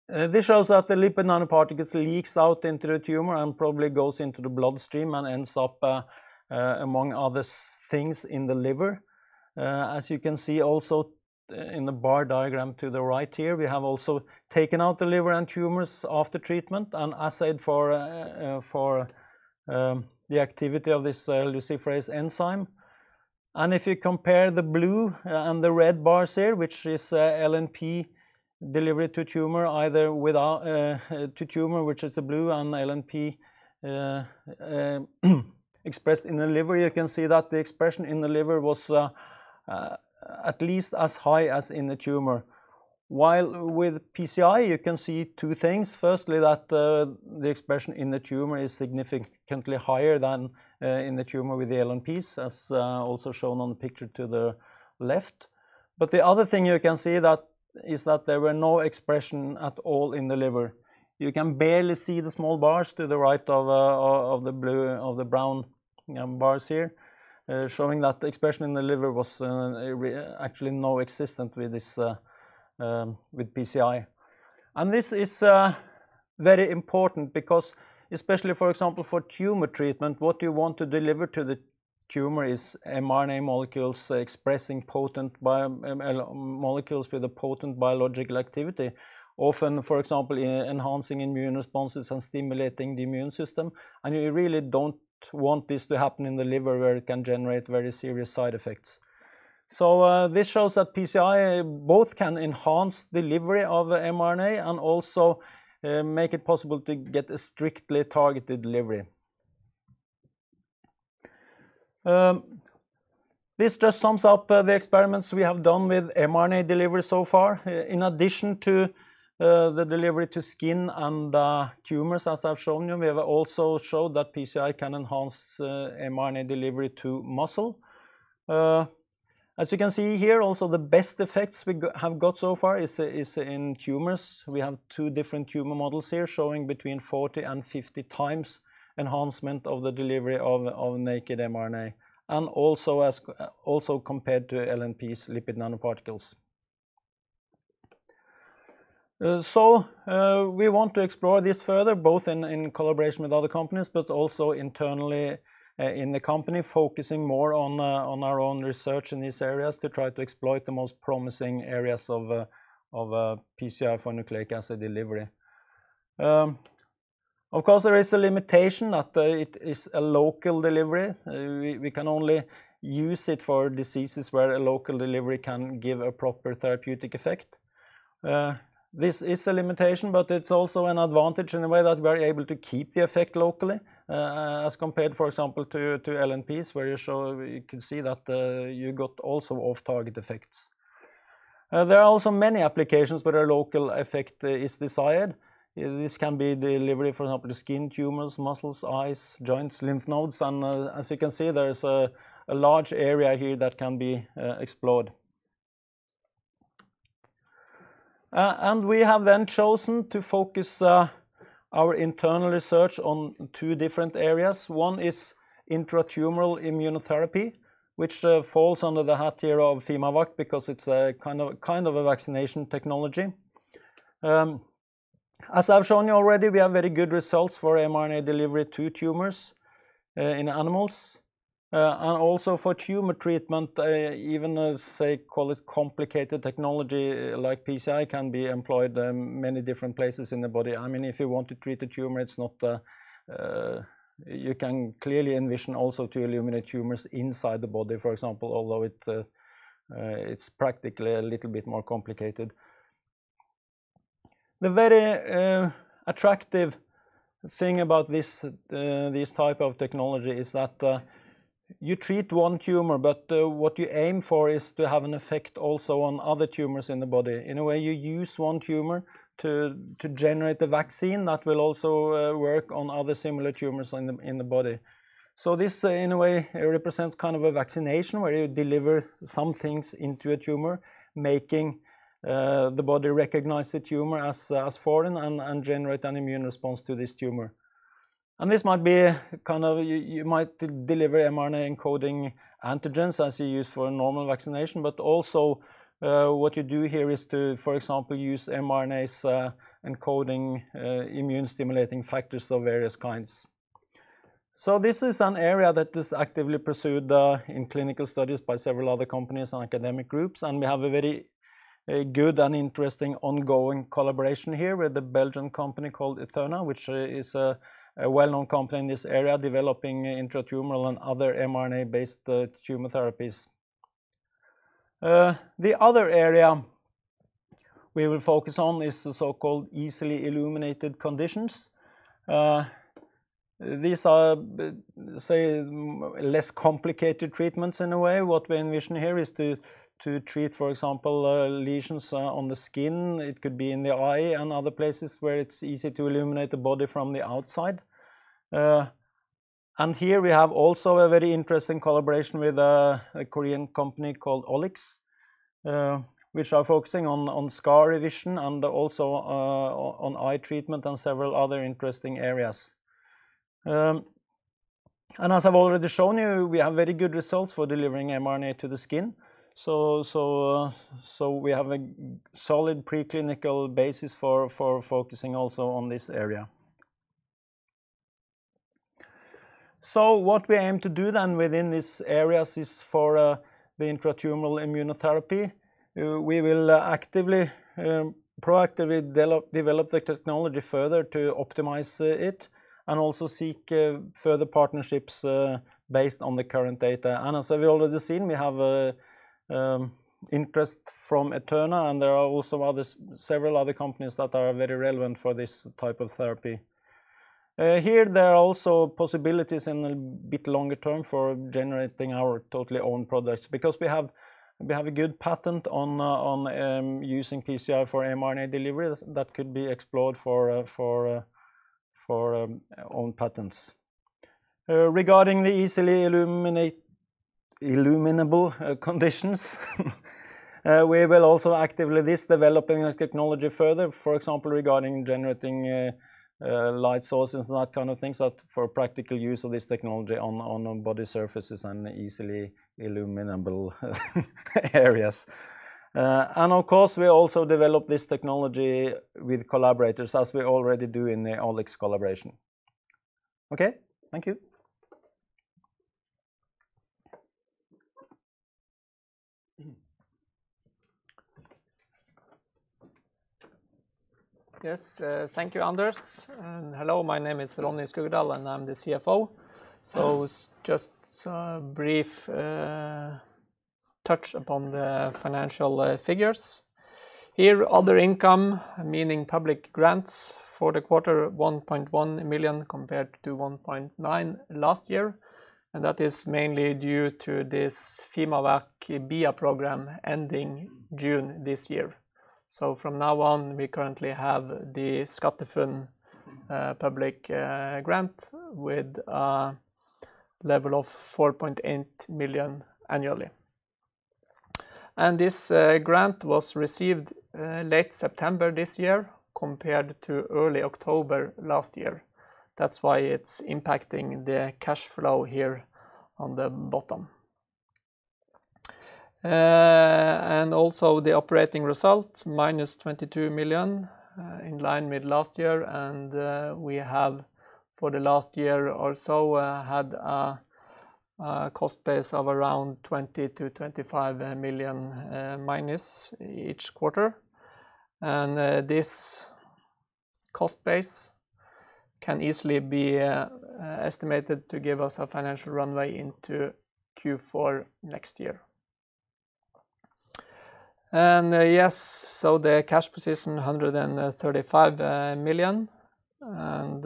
This shows that the lipid nanoparticles leak out into the tumor and probably go into the bloodstream and end up among other things in the liver. As you can see also in the bar diagram to the right here, we have also taken out the liver and tumors after treatment and assayed for the activity of this luciferase enzyme. If you compare the blue and the red bars here, LNP delivery to tumor, which is the blue, and LNP expressed in the liver, you can see that the expression in the liver was at least as high as in the tumor. While with PCI, you can see two things. First, the expression in the tumor is significantly higher than in the tumor with the LNPs, as also shown on the picture to the left. The other thing you can see is that there were no expression at all in the liver. You can barely see the small bars to the right of the blue, of the brown bars here, showing that the expression in the liver was actually non-existent with PCI. This is very important because especially for example for tumor treatment, what you want to deliver to the tumor is mRNA molecules expressing potent biomolecules with a potent biological activity, often, for example, enhancing immune responses and stimulating the immune system. You really don't want this to happen in the liver where it can generate very serious side effects. This shows that PCI both can enhance delivery of mRNA and also make it possible to get a strictly targeted delivery. This just sums up the experiments we have done with mRNA delivery so far. In addition to the delivery to skin and tumors, as I've shown you, we have also showed that PCI can enhance mRNA delivery to muscle. As you can see here, also the best effects we have got so far is in tumors. We have two different tumor models here showing between 40 and 50 times enhancement of the delivery of naked mRNA, and also compared to LNPs lipid nanoparticles. We want to explore this further, both in collaboration with other companies, but also internally in the company, focusing more on our own research in these areas to try to exploit the most promising areas of PCI for nucleic acid delivery. Of course, there is a limitation that it is a local delivery. We can only use it for diseases where a local delivery can give a proper therapeutic effect. This is a limitation, but it's also an advantage in a way that we are able to keep the effect locally, as compared, for example, to LNPs, where you show, you can see that you got also off-target effects. There are also many applications where a local effect is desired. This can be delivery, for example, to skin tumors, muscles, eyes, joints, lymph nodes. As you can see, there is a large area here that can be explored. We have then chosen to focus our internal research on two different areas. One is intratumoral immunotherapy, which falls under the hat here of FimaVac because it's a kind of a vaccination technology. As I've shown you already, we have very good results for mRNA delivery to tumors in animals. Also for tumor treatment, even as, say, call it complicated technology like PCI can be employed many different places in the body. I mean, if you want to treat the tumor, you can clearly envision also to illuminate tumors inside the body, for example, although it's practically a little bit more complicated. The very attractive thing about this this type of technology is that you treat one tumor, but what you aim for is to have an effect also on other tumors in the body. In a way, you use one tumor to generate the vaccine that will also work on other similar tumors in the body. This, in a way, represents kind of a vaccination where you deliver some things into a tumor, making the body recognize the tumor as foreign and generate an immune response to this tumor. This might be kind of you might deliver mRNA encoding antigens as you use for a normal vaccination, but also what you do here is to, for example, use mRNAs encoding immune stimulating factors of various kinds. This is an area that is actively pursued in clinical studies by several other companies and academic groups, and we have a very good and interesting ongoing collaboration here with a Belgian company called eTheRNA, which is a well-known company in this area, developing intratumoral and other mRNA-based tumor therapies. The other area we will focus on is the so-called easily illuminated conditions. These are, say, less complicated treatments in a way. What we envision here is to treat, for example, lesions on the skin. It could be in the eye and other places where it's easy to illuminate the body from the outside. Here we have also a very interesting collaboration with a Korean company called OliX, which are focusing on scar revision and also on eye treatment and several other interesting areas. As I've already shown you, we have very good results for delivering mRNA to the skin. We have a solid preclinical basis for focusing also on this area. What we aim to do then within these areas is for the intratumoral immunotherapy, we will actively proactively develop the technology further to optimize it and also seek further partnerships based on the current data. As we've already seen, we have interest from eTheRNA, and there are also several other companies that are very relevant for this type of therapy. Here there are also possibilities in a bit longer term for generating our totally own products because we have a good patent on using PCI for mRNA delivery that could be explored for own patents. Regarding the easily illuminable conditions, we will also be actively developing this technology further, for example, regarding generating light sources and that kind of things for practical use of this technology on body surfaces and easily illuminable areas. Of course, we also develop this technology with collaborators as we already do in the OliX collaboration. Okay. Thank you. Yes, thank you, Anders. Hello, my name is Ronny Skuggedal, and I'm the CFO. Just a brief touch upon the financial figures. Here, other income, meaning public grants for the quarter 1.1 million compared to 1.9 last year, and that is mainly due to this fimaVACC BIA program ending June this year. From now on, we currently have the SkatteFUNN public grant with a level of 4.8 million annually. This grant was received late September this year compared to early October last year. That's why it's impacting the cash flow here on the bottom. Also the operating result, -22 million, in line with last year. We have for the last year or so had a cost base of around 20-25 million minus each quarter. This cost base can easily be estimated to give us a financial runway into Q4 next year. The cash position is 135 million, and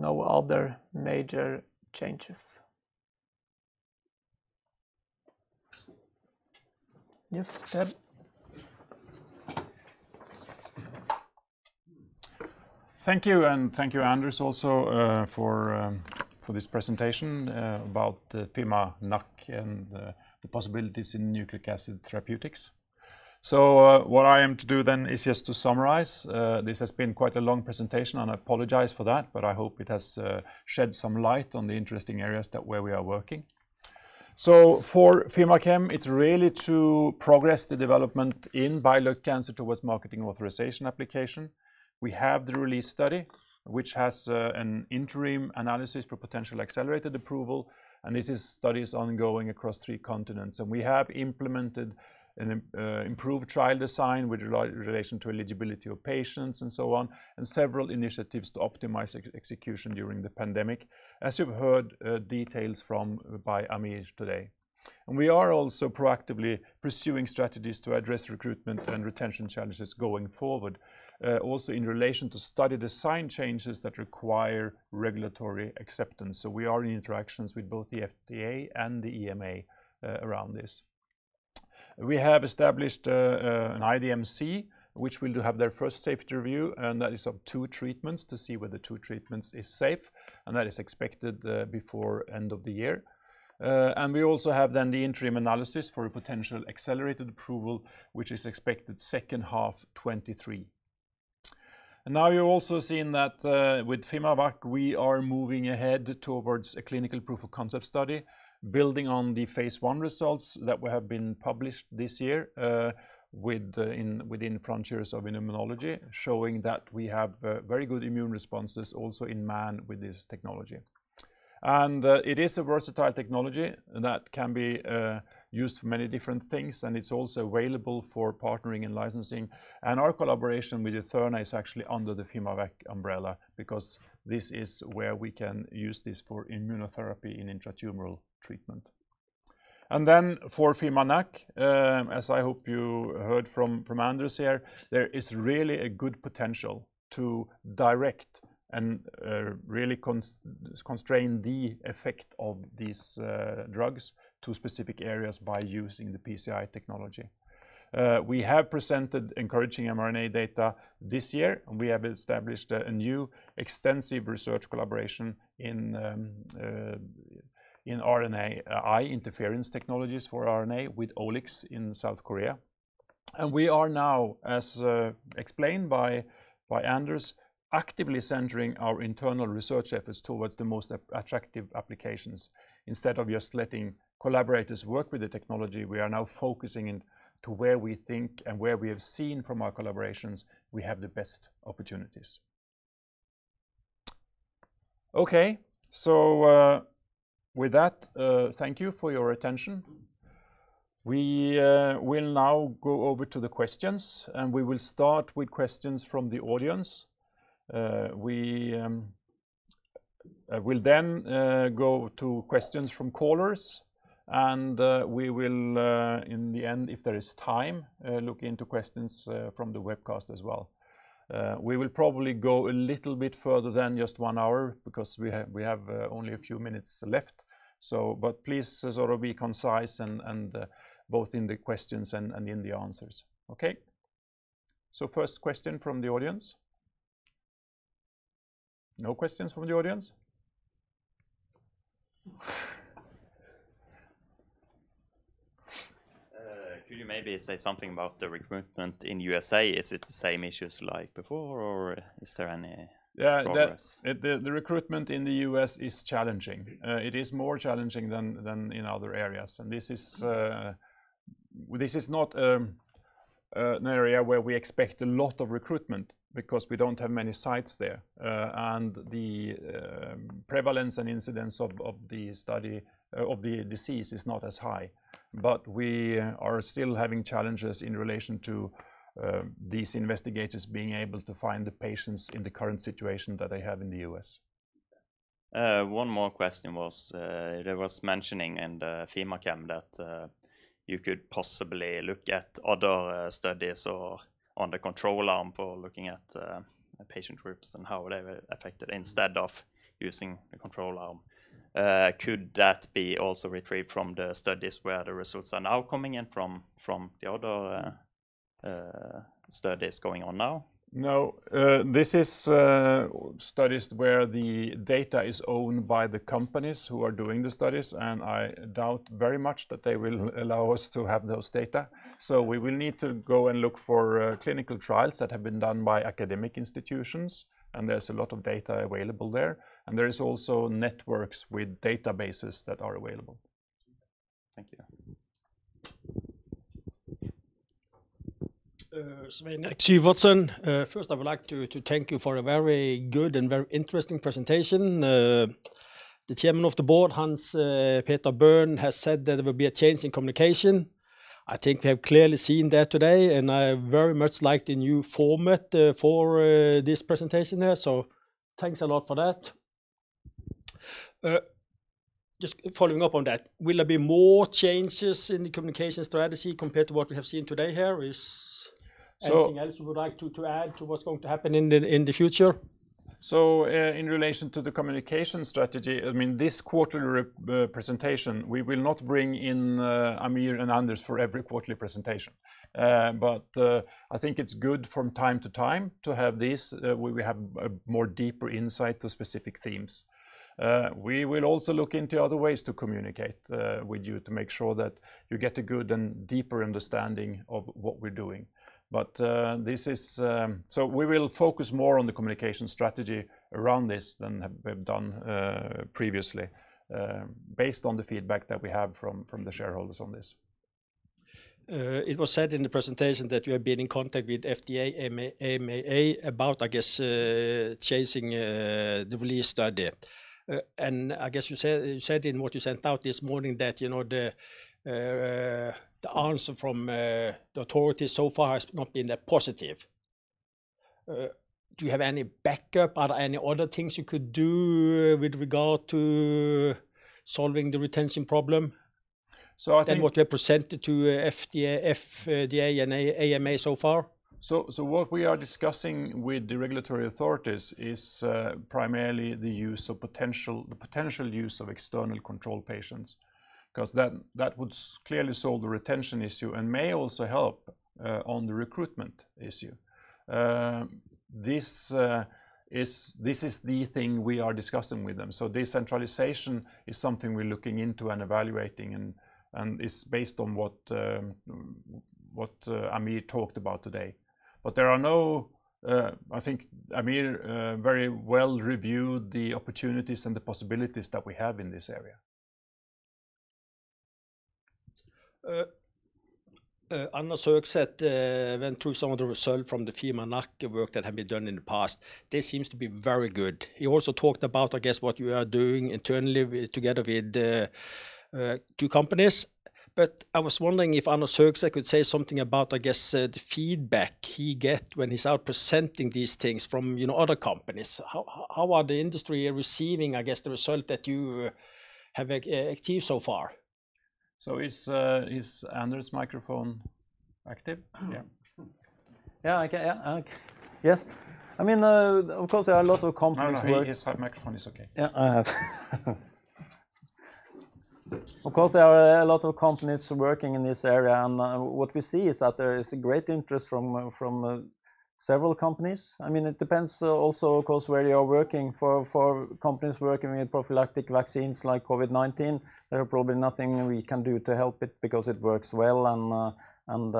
no other major changes. Yes, Ted. Thank you. Thank you, Anders, also for this presentation about the fimaNAc and the possibilities in nucleic acid therapeutics. What I aim to do then is just to summarize. This has been quite a long presentation, and I apologize for that, but I hope it has shed some light on the interesting areas that we're working. For FimaChem, it's really to progress the development in bile duct cancer towards marketing authorization application. We have the RELEASE study, which has an interim analysis for potential accelerated approval, and the study is ongoing across 3 continents. We have implemented an improved trial design with relation to eligibility of patients and so on, and several initiatives to optimize execution during the pandemic, as you've heard details from Amir today. We are also proactively pursuing strategies to address recruitment and retention challenges going forward, also in relation to study design changes that require regulatory acceptance. We are in interactions with both the FDA and the EMA, around this. We have established an IDMC, which will have their first safety review, and that is of 2 treatments to see whether 2 treatments is safe, and that is expected before end of the year. We also have then the interim analysis for a potential accelerated approval, which is expected second half 2023. Now you're also seeing that, with fimaVACC, we are moving ahead towards a clinical proof of concept study, building on the phase I results that have been published this year, within Frontiers in Immunology, showing that we have very good immune responses also in man with this technology. It is a versatile technology that can be used for many different things, and it's also available for partnering and licensing. Our collaboration with eTheRNA is actually under the fimaVACC umbrella because this is where we can use this for immunotherapy in intratumoral treatment. Then for fimaNAc, as I hope you heard from Anders here, there is really a good potential to direct and really constrain the effect of these drugs to specific areas by using the PCI technology. We have presented encouraging mRNA data this year, and we have established a new extensive research collaboration in RNAi interference technologies for RNA with OliX in South Korea. We are now, as explained by Anders, actively centering our internal research efforts towards the most attractive applications. Instead of just letting collaborators work with the technology, we are now focusing in to where we think and where we have seen from our collaborations we have the best opportunities. With that, thank you for your attention. We will now go over to the questions, and we will start with questions from the audience. We will then go to questions from callers, and we will, in the end, if there is time, look into questions from the webcast as well. We will probably go a little bit further than just one hour because we have only a few minutes left. Please sort of be concise and both in the questions and in the answers. Okay? First question from the audience. No questions from the audience? Could you maybe say something about the recruitment in USA? Is it the same issues like before or is there any progress? Yeah, the recruitment in the U.S. is challenging. It is more challenging than in other areas, and this is not an area where we expect a lot of recruitment because we don't have many sites there. The prevalence and incidence of the disease is not as high. We are still having challenges in relation to these investigators being able to find the patients in the current situation that they have in the U.S. One more question was, there was mentioning in the fimaNAc that you could possibly look at other studies or on the control arm for looking at patient groups and how they were affected instead of using the control arm. Could that be also retrieved from the studies where the results are now coming in from the other studies going on now? No. This is studies where the data is owned by the companies who are doing the studies, and I doubt very much that they will allow us to have those data. We will need to go and look for clinical trials that have been done by academic institutions, and there's a lot of data available there. There is also networks with databases that are available. Thank you. Svein Aakervik Vatn. First, I would like to thank you for a very good and very interesting presentation. The Chairman of the Board, Hans Peter Bøhn, has said that there will be a change in communication. I think we have clearly seen that today, and I very much like the new format for this presentation here. Thanks a lot for that. Just following up on that, will there be more changes in the communication strategy compared to what we have seen today here? Is- So- Anything else you would like to add to what's going to happen in the future? In relation to the communication strategy, I mean, this quarterly presentation, we will not bring in Amir and Anders for every quarterly presentation. I think it's good from time to time to have this, where we have a more deeper insight to specific themes. We will also look into other ways to communicate with you to make sure that you get a good and deeper understanding of what we're doing. We will focus more on the communication strategy around this than we've done previously, based on the feedback that we have from the shareholders on this. It was said in the presentation that you have been in contact with FDA, EMA about the RELEASE study. You said in what you sent out this morning that, you know, the answer from the authorities so far has not been that positive. Do you have any backup? Are there any other things you could do with regard to solving the retention problem? I think. Than what you have presented to FDA and EMA so far? What we are discussing with the regulatory authorities is primarily the potential use of external control patients. 'Cause that would clearly solve the retention issue and may also help on the recruitment issue. This is the thing we are discussing with them. Decentralization is something we're looking into and evaluating and is based on what Amir talked about today. But I think Amir very well reviewed the opportunities and the possibilities that we have in this area. Anders Høgset went through some of the result from the fimaNAc work that had been done in the past. This seems to be very good. He also talked about, I guess, what you are doing internally with, together with, two companies. I was wondering if Anders Høgset could say something about, I guess, the feedback he get when he's out presenting these things from, you know, other companies. How are the industry receiving, I guess, the result that you have achieved so far? Is Anders' microphone active? Yeah. Yes. I mean, of course there are a lot of companies who are. No, no, his microphone is okay. Yeah, I have. Of course, there are a lot of companies working in this area, and what we see is that there is a great interest from several companies. I mean, it depends also of course, where you're working for companies working with prophylactic vaccines like COVID-19, there are probably nothing we can do to help it because it works well and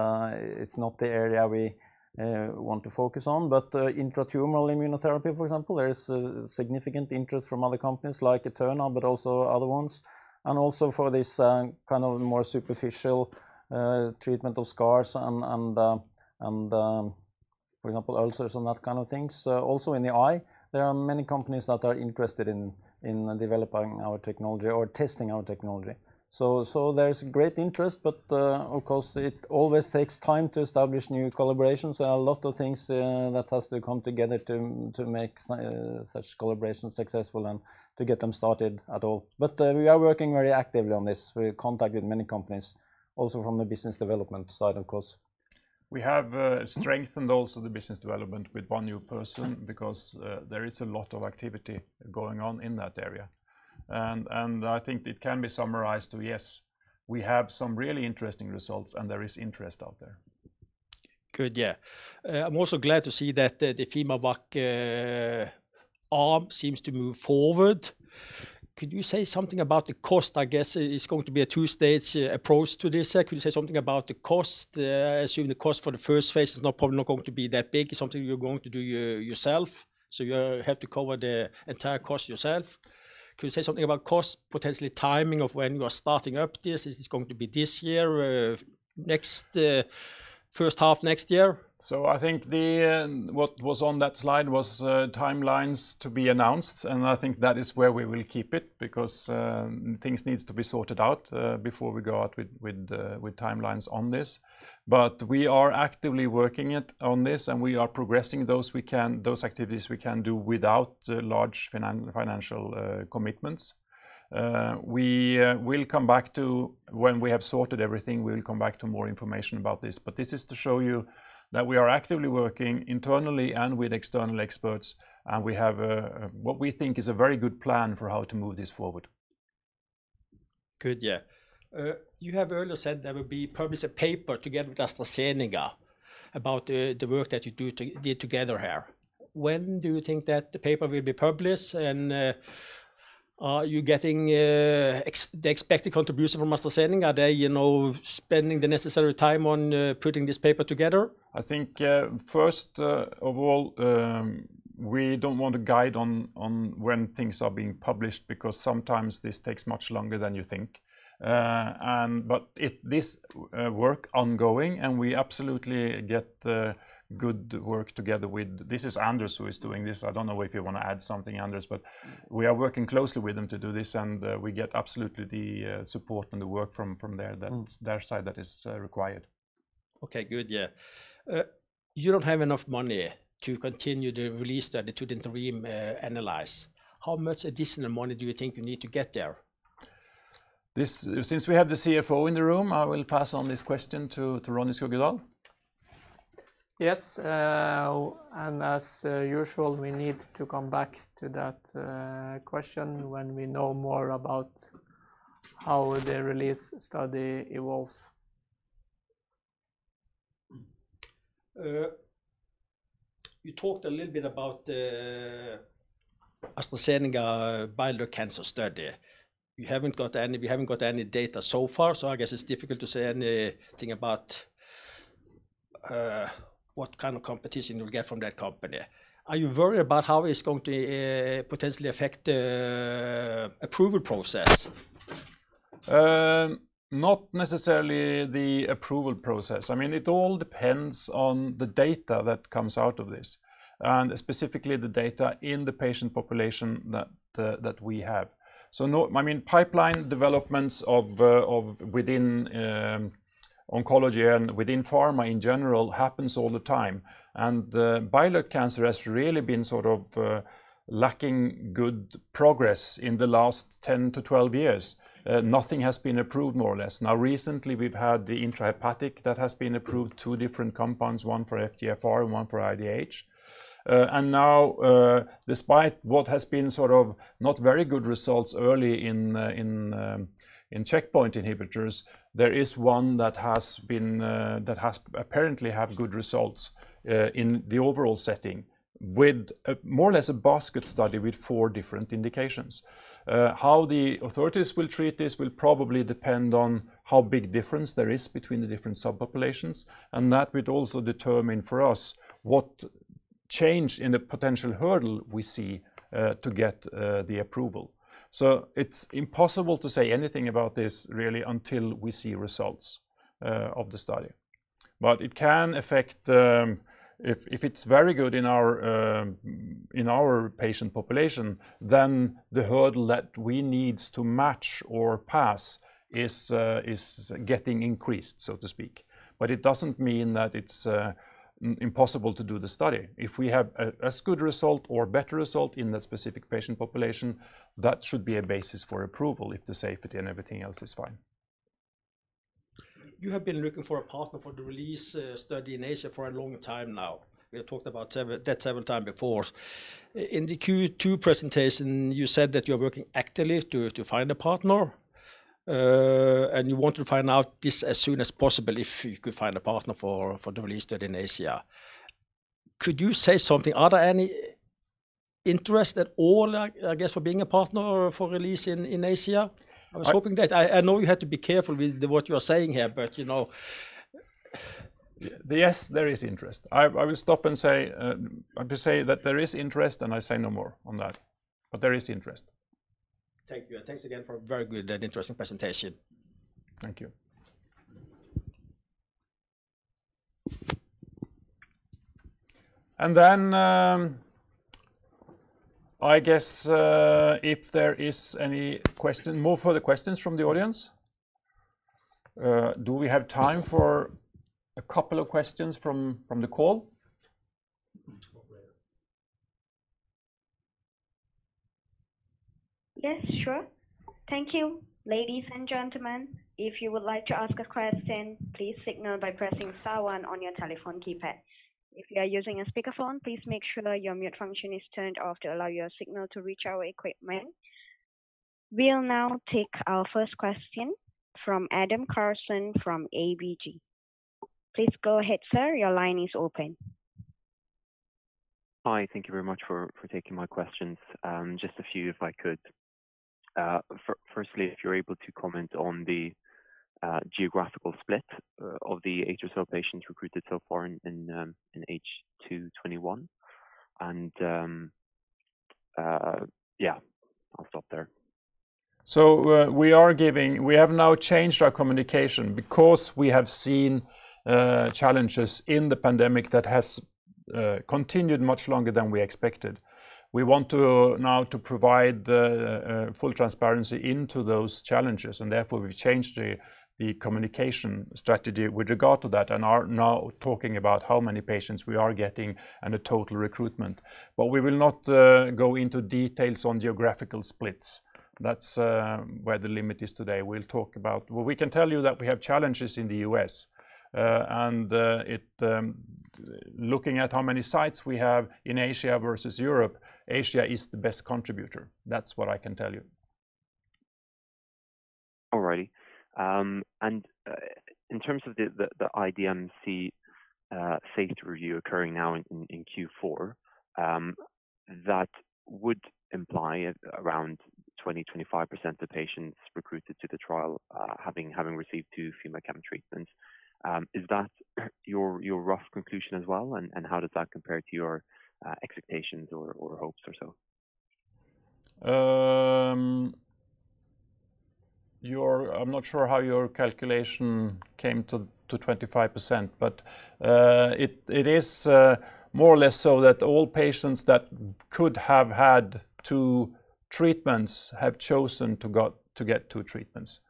it's not the area we want to focus on. Intratumoral immunotherapy, for example, there is significant interest from other companies like Eterna, but also other ones, and also for this kind of more superficial treatment of scars and, for example, ulcers and that kind of things. Also in the eye, there are many companies that are interested in developing our technology or testing our technology. There's great interest, but, of course, it always takes time to establish new collaborations. There are a lot of things that has to come together to make such collaborations successful and to get them started at all. We are working very actively on this. We've contacted many companies also from the business development side, of course. We have strengthened also the business development with one new person because there is a lot of activity going on in that area. I think it can be summarized to, yes, we have some really interesting results and there is interest out there. Good. Yeah. I'm also glad to see that the FimaVac arm seems to move forward. Could you say something about the cost? I guess it's going to be a two-stage approach to this. Could you say something about the cost? Assume the cost for the first phase is probably not going to be that big. It's something you're going to do yourself, so you have to cover the entire cost yourself. Could you say something about cost, potentially timing of when you are starting up this? Is this going to be this year, next, first half next year? I think what was on that slide was timelines to be announced, and I think that is where we will keep it because things need to be sorted out before we go out with timelines on this. We are actively working on this, and we are progressing those activities we can do without large financial commitments. When we have sorted everything, we will come back to more information about this. This is to show you that we are actively working internally and with external experts, and we have what we think is a very good plan for how to move this forward. Good. Yeah. You have earlier said there will be published a paper together with AstraZeneca about the work that you did together here. When do you think that the paper will be published, and are you getting the expected contribution from AstraZeneca? Are they, you know, spending the necessary time on putting this paper together? I think, first of all, we don't want to guide on when things are being published because sometimes this takes much longer than you think. This work ongoing, and we absolutely get good work together with... This is Anders who is doing this. I don't know if you want to add something, Anders, but we are working closely with them to do this, and we get absolutely the support and the work from their side that is required. Okay. Good. Yeah, you don't have enough money to continue the RELEASE study to the interim analysis. How much additional money do you think you need to get there? This, since we have the CFO in the room, I will pass on this question to Ronny Skuggedal. Yes. As usual, we need to come back to that question when we know more about how the RELEASE study evolves. You talked a little bit about the AstraZeneca bile duct cancer study. We haven't got any data so far, so I guess it's difficult to say anything about what kind of competition you'll get from that company. Are you worried about how it's going to potentially affect the approval process? Not necessarily the approval process. I mean, it all depends on the data that comes out of this, and specifically the data in the patient population that we have. No, I mean, pipeline developments within oncology and within pharma in general happens all the time. The bile duct cancer has really been sort of lacking good progress in the last 10-12 years. Nothing has been approved more or less. Now, recently, we've had the intrahepatic that has been approved, two different compounds, one for FGFR and one for IDH. Now, despite what has been sort of not very good results early in checkpoint inhibitors, there is one that has apparently have good results in the overall setting with more or less a basket study with four different indications. How the authorities will treat this will probably depend on how big difference there is between the different subpopulations, and that would also determine for us what change in the potential hurdle we see to get the approval. It's impossible to say anything about this really until we see results of the study. It can affect, if it's very good in our patient population, then the hurdle that we need to match or pass is getting increased, so to speak. It doesn't mean that it's impossible to do the study. If we have a good result or better result in that specific patient population, that should be a basis for approval if the safety and everything else is fine. You have been looking for a partner for the RELEASE study in Asia for a long time now. We have talked about that several times before. In the Q2 presentation, you said that you're working actively to find a partner. And you want to find out this as soon as possible, if you could find a partner for the RELEASE study in Asia. Could you say something? Are there any interest at all, I guess, for being a partner or for RELEASE in Asia? I was hoping that I know you have to be careful with what you are saying here, but you know. Yes, there is interest. I will stop and say, I'm to say that there is interest, and I say no more on that. There is interest. Thank you. Thanks again for a very good and interesting presentation. Thank you. More further questions from the audience. Do we have time for a couple of questions from the call? We will. Yes, sure. Thank you. Ladies and gentlemen, if you would like to ask a question, please signal by pressing star one on your telephone keypad. If you are using a speakerphone, please make sure your mute function is turned off to allow your signal to reach our equipment. We'll now take our first question from Adam Karlsson from ABG. Please go ahead, sir. Your line is open. Hi. Thank you very much for taking my questions. Just a few if I could. Firstly, if you're able to comment on the geographical split of the age of patients recruited so far in H2 2021. Yeah, I'll stop there. We have now changed our communication because we have seen challenges in the pandemic that has continued much longer than we expected. We want to now provide the full transparency into those challenges, and therefore we've changed the communication strategy with regard to that and are now talking about how many patients we are getting and the total recruitment. We will not go into details on geographical splits. That's where the limit is today. What we can tell you that we have challenges in the U.S. and looking at how many sites we have in Asia versus Europe, Asia is the best contributor. That's what I can tell you. All righty. In terms of the IDMC safety review occurring now in Q4, that would imply around 20-25% of patients recruited to the trial having received two FimaChem treatments. Is that your rough conclusion as well? How does that compare to your expectations or hopes or so? I'm not sure how your calculation came to 25%. It is more or less so that all patients that could have had two treatments have chosen to get two treatments.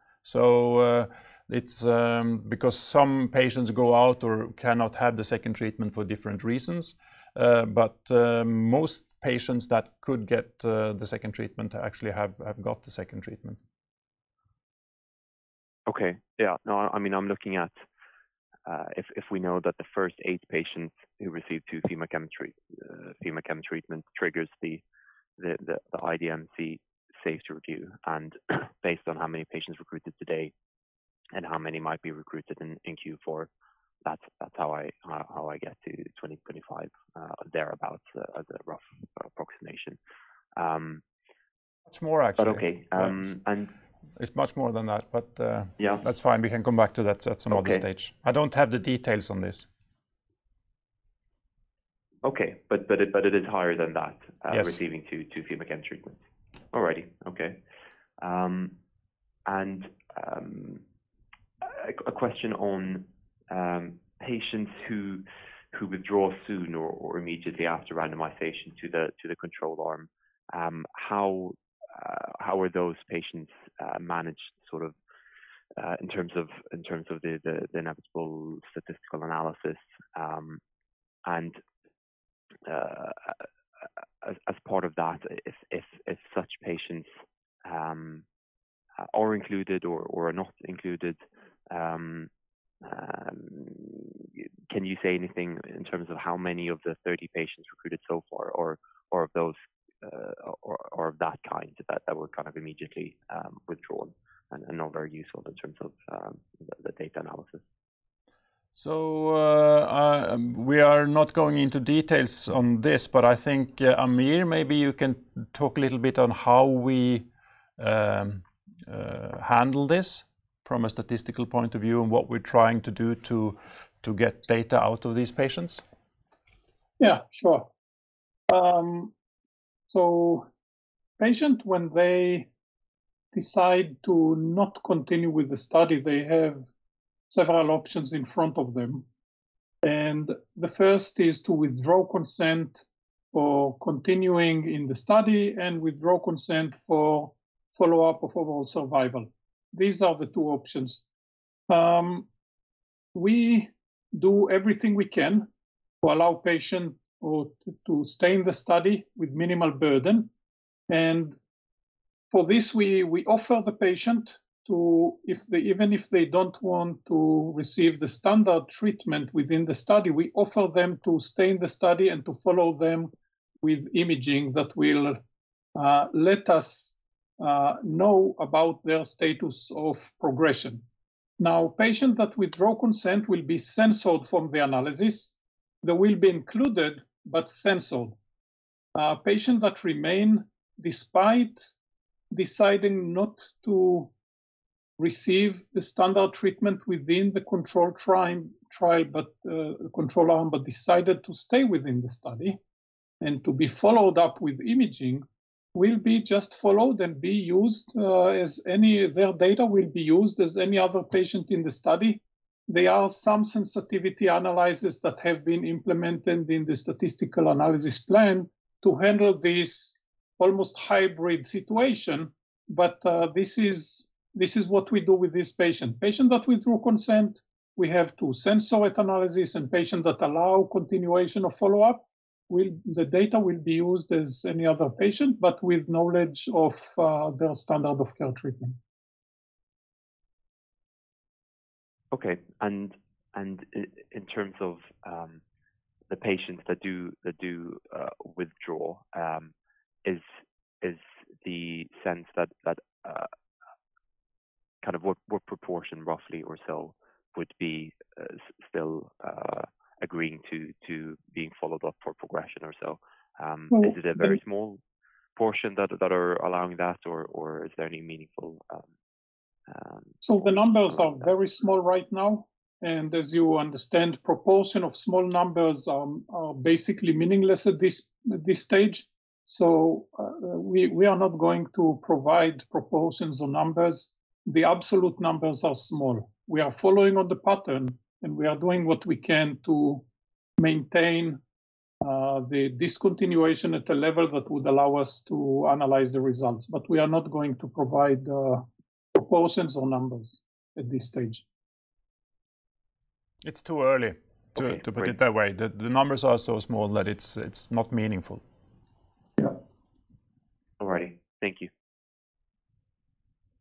It's because some patients go out or cannot have the second treatment for different reasons. Most patients that could get the second treatment actually have got the second treatment. Okay. Yeah. No, I mean, I'm looking at if we know that the first eight patients who received the FimaChem treatment triggers the IDMC safety review. Based on how many patients recruited today and how many might be recruited in Q4, that's how I get to 20-25 thereabout as a rough approximation. But okay. It's much more actually. It's much more than that. Yeah. That's fine. We can come back to that at some other stage. Okay. I don't have the details on this. Okay. It is higher than that. Yes... receiving 2 FimaChem treatment. All righty. Okay. A question on patients who withdraw soon or immediately after randomization to the control arm, how are those patients managed, sort of, in terms of the inevitable statistical analysis? As part of that, if such patients are included or are not included, can you say anything in terms of how many of the 30 patients recruited so far or of those or of that kind that were kind of immediately withdrawn and not very useful in terms of the data analysis? We are not going into details on this. I think, Amir, maybe you can talk a little bit on how we handle this from a statistical point of view and what we're trying to do to get data out of these patients. Yeah, sure. Patients when they decide to not continue with the study, they have several options in front of them. The first is to withdraw consent for continuing in the study and withdraw consent for follow-up of overall survival. These are the two options. We do everything we can to allow patients to stay in the study with minimal burden. For this, we offer the patient, even if they don't want to receive the standard treatment within the study, we offer them to stay in the study and to follow them with imaging that will let us know about their status of progression. Patient that withdraw consent will be censored from the analysis. They will be included, but censored. Patient that remain despite deciding not to receive the standard treatment within the control arm but decided to stay within the study and to be followed up with imaging will be just followed, and their data will be used as any other patient in the study. There are some sensitivity analysis that have been implemented in the statistical analysis plan to handle this almost hybrid situation. This is what we do with this patient. Patient that withdrew consent, we have to censoring analysis, and patient that allow continuation of follow-up, the data will be used as any other patient but with knowledge of their standard of care treatment. In terms of the patients that do withdraw, is the sense that kind of what proportion roughly or so would be still agreeing to being followed up for progression or so? Is it a very small portion that are allowing that or is there any meaningful The numbers are very small right now, and as you understand, proportion of small numbers are basically meaningless at this stage. We are not going to provide proportions or numbers. The absolute numbers are small. We are following on the pattern, and we are doing what we can to maintain the discontinuation at a level that would allow us to analyze the results. We are not going to provide proportions or numbers at this stage. It's too early. Okay, great. To put it that way. The numbers are so small that it's not meaningful. Yeah. All righty. Thank you.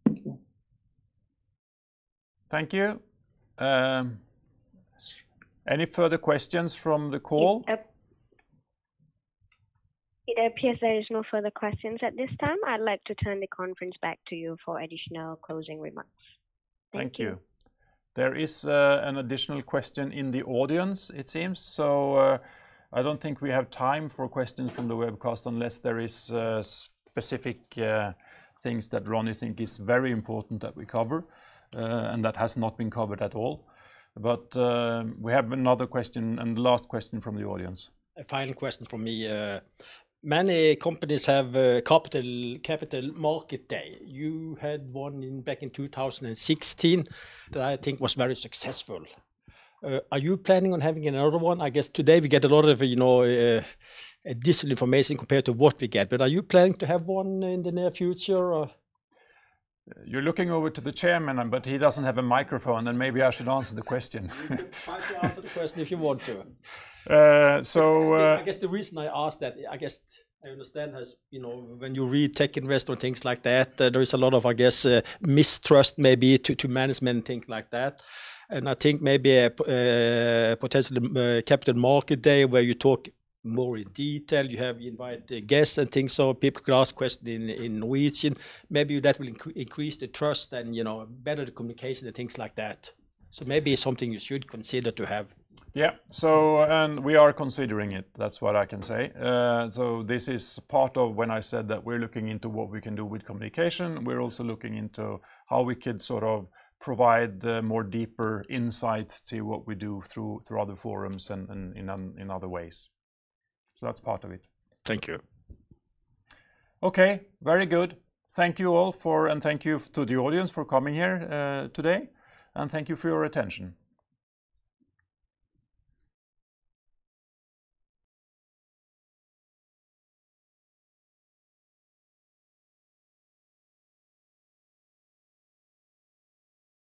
Thank you. Thank you. Any further questions from the call? It appears there is no further questions at this time. I'd like to turn the conference back to you for additional closing remarks. Thank you. Thank you. There is an additional question in the audience, it seems. I don't think we have time for questions from the webcast unless there is specific things that Ronny think is very important that we cover, and that has not been covered at all. We have another question and the last question from the audience. A final question from me. Many companies have a capital market day. You had one back in 2016 that I think was very successful. Are you planning on having another one? I guess today we get a lot of, you know, additional information compared to what we get. Are you planning to have one in the near future or? You're looking over to the chairman, but he doesn't have a microphone, and maybe I should answer the question. You can try to answer the question if you want to. Uh, so, uh- I think, I guess the reason I ask that, I guess I understand as, you know, when you read tech investor things like that, there is a lot of, I guess, mistrust maybe to management and things like that. I think maybe a potentially, capital market day where you talk more in detail, you have invite the guests and things so people can ask questions in Norwegian, maybe that will increase the trust and, you know, better the communication and things like that. Maybe something you should consider to have. Yeah. We are considering it. That's what I can say. This is part of when I said that we're looking into what we can do with communication. We're also looking into how we could sort of provide more deeper insight to what we do through other forums and in other ways. That's part of it. Thank you. Okay. Very good. Thank you all for and thank you to the audience for coming here, today. Thank you for your attention.